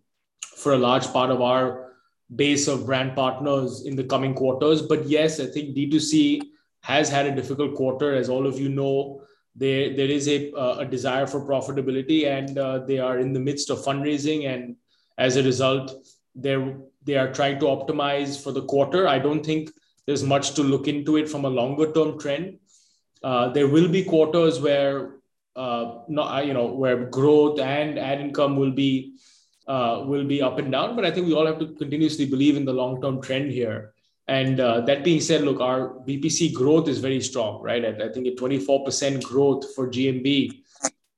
Speaker 7: for a large part of our base of brand partners in the coming quarters. Yes, I think D2C has had a difficult quarter. As all of you know, there is a desire for profitability and they are in the midst of fundraising, and as a result, they are trying to optimize for the quarter. I don't think there's much to look into it from a long-term trend. There will be quarters where you know, where growth and ad income will be up and down, but I think we all have to continuously believe in the long-term trend here. That being said, look, our BPC growth is very strong, right? I think a 24% growth for GMV,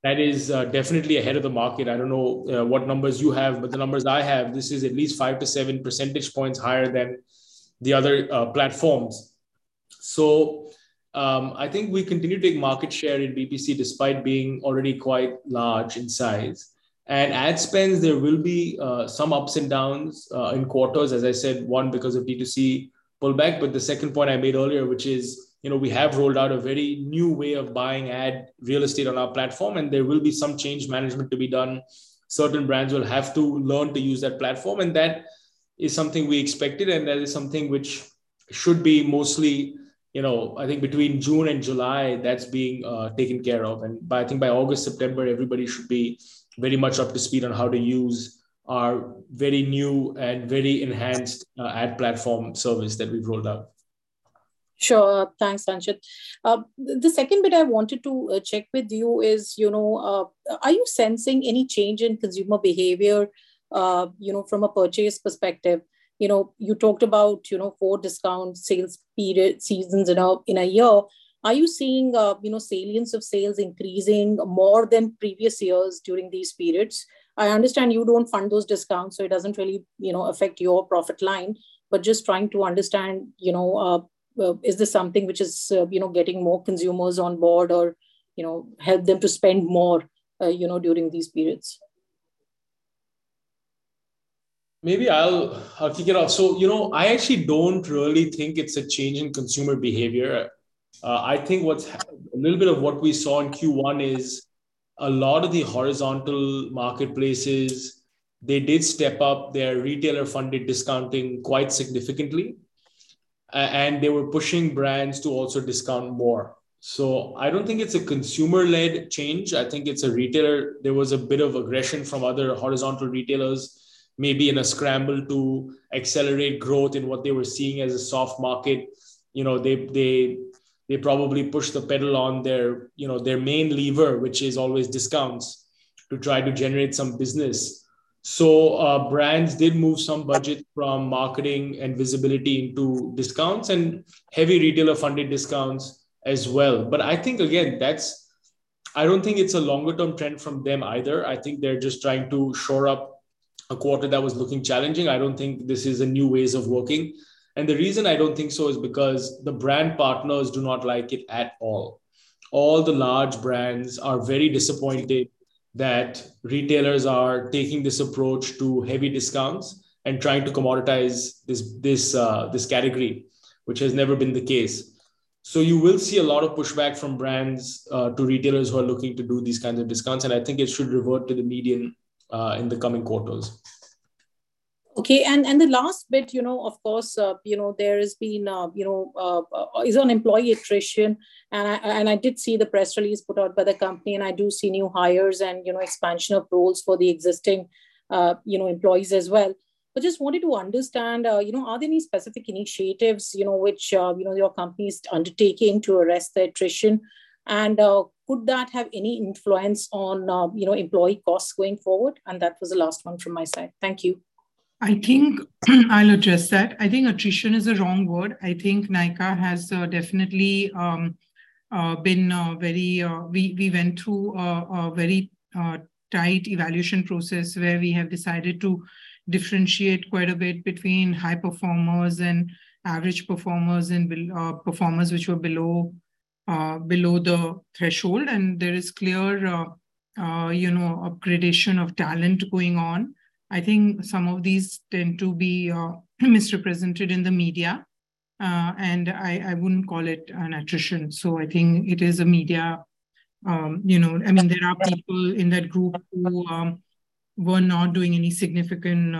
Speaker 7: that is, definitely ahead of the market. I don't know what numbers you have, but the numbers I have, this is at least 5 percentage points to 7 percentage points higher than the other platforms. I think we continue to take market share in BPC despite being already quite large in size. Ad spends, there will be some ups and downs in quarters, as I said. One because of D2C pullback, but the second point I made earlier, which is, you know, we have rolled out a very new way of buying ad real estate on our platform, and there will be some change management to be done. Certain brands will have to learn to use that platform, and that is something we expected and that is something which should be mostly, you know, I think between June and July that's being taken care of. I think by August, September, everybody should be very much up to speed on how to use our very new and very enhanced ad platform service that we've rolled out.
Speaker 13: Sure. Thanks, Anchit. The second bit I wanted to check with you is, you know, are you sensing any change in consumer behavior, you know, from a purchase perspective? You know, you talked about, you know, four discount sales seasons in a year. Are you seeing, you know, salience of sales increasing more than previous years during these periods? I understand you don't fund those discounts, so it doesn't really, you know, affect your profit line. Just trying to understand, you know, is this something which is, you know, getting more consumers on board or, you know, help them to spend more, you know, during these periods?
Speaker 7: Maybe I'll kick it off. You know, I actually don't really think it's a change in consumer behavior. I think a little bit of what we saw in Q1 is a lot of the horizontal marketplaces, they did step up their retailer-funded discounting quite significantly. They were pushing brands to also discount more. I don't think it's a consumer-led change. I think it's a retailer. There was a bit of aggression from other horizontal retailers, maybe in a scramble to accelerate growth in what they were seeing as a soft market. You know, they probably pushed the pedal on their, you know, their main lever, which is always discounts, to try to generate some business. Brands did move some budget from marketing and visibility into discounts and heavy retailer-funded discounts as well. I think, again, that's. I don't think it's a longer-term trend from them either. I think they're just trying to shore up a quarter that was looking challenging. I don't think this is a new way of working. The reason I don't think so is because the brand partners do not like it at all. All the large brands are very disappointed that retailers are taking this approach to heavy discounts and trying to commoditize this category, which has never been the case. You will see a lot of pushback from brands to retailers who are looking to do these kinds of discounts, and I think it should revert to the median in the coming quarters.
Speaker 13: Okay. The last bit, you know, of course, you know, there has been, you know, issues on employee attrition. I did see the press release put out by the company, and I do see new hires and, you know, expansion of roles for the existing, you know, employees as well. Just wanted to understand, you know, are there any specific initiatives, you know, which, you know, your company is undertaking to arrest the attrition? Could that have any influence on, you know, employee costs going forward? That was the last one from my side. Thank you.
Speaker 2: I think I'll address that. I think attrition is a wrong word. I think Nykaa has definitely. We went through a very tight evaluation process where we have decided to differentiate quite a bit between high performers and average performers and performers which were below the threshold. There is clear, you know, upgradation of talent going on. I think some of these tend to be misrepresented in the media. I wouldn't call it an attrition. I think it is a media. You know, I mean, there are people in that group who were not doing any significant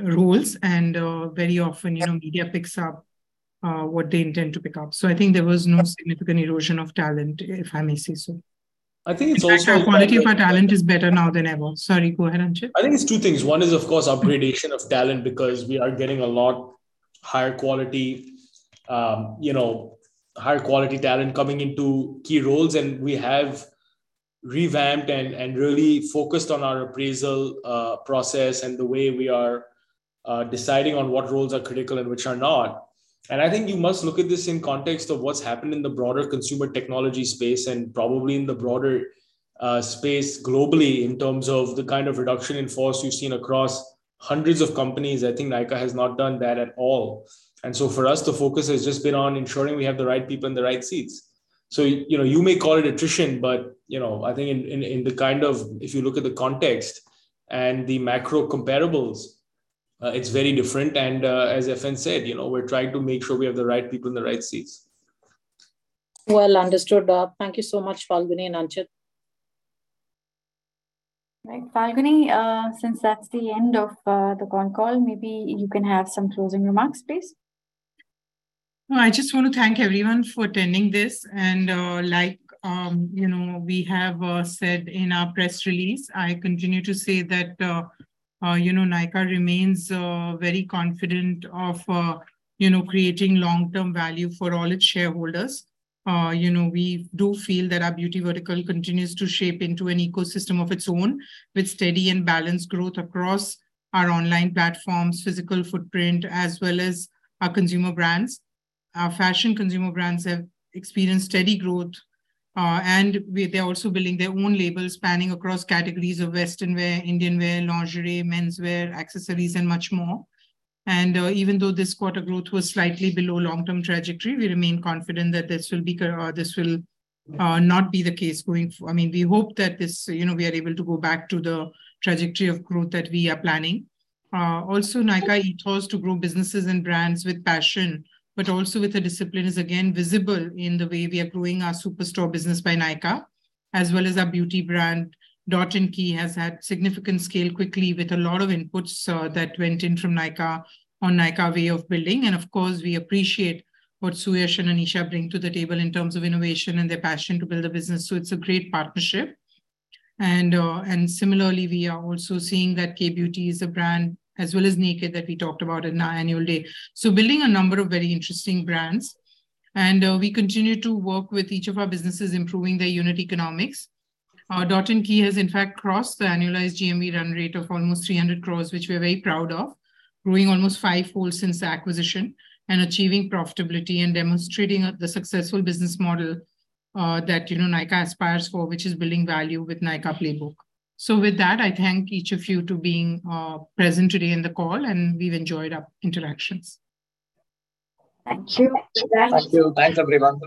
Speaker 2: roles. Very often, you know, media picks up what they intend to pick up. I think there was no significant erosion of talent, if I may say so.
Speaker 7: I think it's also.
Speaker 2: In fact, our quality of our talent is better now than ever. Sorry, go ahead, Anchit.
Speaker 7: I think it's two things. One is, of course, upgradation of talent because we are getting a lot higher quality, higher quality talent coming into key roles. We have revamped and really focused on our appraisal process and the way we are deciding on what roles are critical and which are not. I think you must look at this in context of what's happened in the broader consumer technology space and probably in the broader space globally in terms of the kind of reduction in force you've seen across hundreds of companies. I think Nykaa has not done that at all. For us, the focus has just been on ensuring we have the right people in the right seats. You may call it attrition, but I think in the kind ofIf you look at the context and the macro comparables, it's very different. As Falguni said, you know, we're trying to make sure we have the right people in the right seats.
Speaker 13: Well understood. Thank you so much, Falguni and Anchit.
Speaker 1: Right. Falguni, since that's the end of the conference call, maybe you can have some closing remarks, please.
Speaker 2: No, I just want to thank everyone for attending this. Like, you know, we have said in our press release, I continue to say that, you know, Nykaa remains very confident of, you know, creating long-term value for all its shareholders. You know, we do feel that our beauty vertical continues to shape into an ecosystem of its own, with steady and balanced growth across our online platforms, physical footprint, as well as our consumer brands. Our fashion consumer brands have experienced steady growth, and they're also building their own labels spanning across categories of western wear, Indian wear, lingerie, menswear, accessories, and much more. Even though this quarter growth was slightly below long-term trajectory, we remain confident that this will not be the case going forward. I mean, we hope that this, you know, we are able to go back to the trajectory of growth that we are planning. Nykaa intends to grow businesses and brands with passion, but also with a discipline is again visible in the way we are growing our Superstore by Nykaa business, as well as our beauty brand. Dot & Key has had significant scale quickly with a lot of inputs that went in from Nykaa on Nykaa way of building. Of course, we appreciate what Suyash and Anisha bring to the table in terms of innovation and their passion to build a business, so it's a great partnership. Similarly, we are also seeing that Kay Beauty is a brand, as well as Nykd that we talked about in our annual day. Building a number of very interesting brands. We continue to work with each of our businesses improving their unit economics. Dot & Key has in fact crossed the annualized GMV run rate of almost 300 crore, which we're very proud of, growing almost fivefold since the acquisition and achieving profitability and demonstrating the successful business model that, you know, Nykaa aspires for, which is building value with Nykaa playbook. With that, I thank each of you for being present today in the call, and we've enjoyed our interactions.
Speaker 1: Thank you.
Speaker 7: Thank you. Thanks, everyone.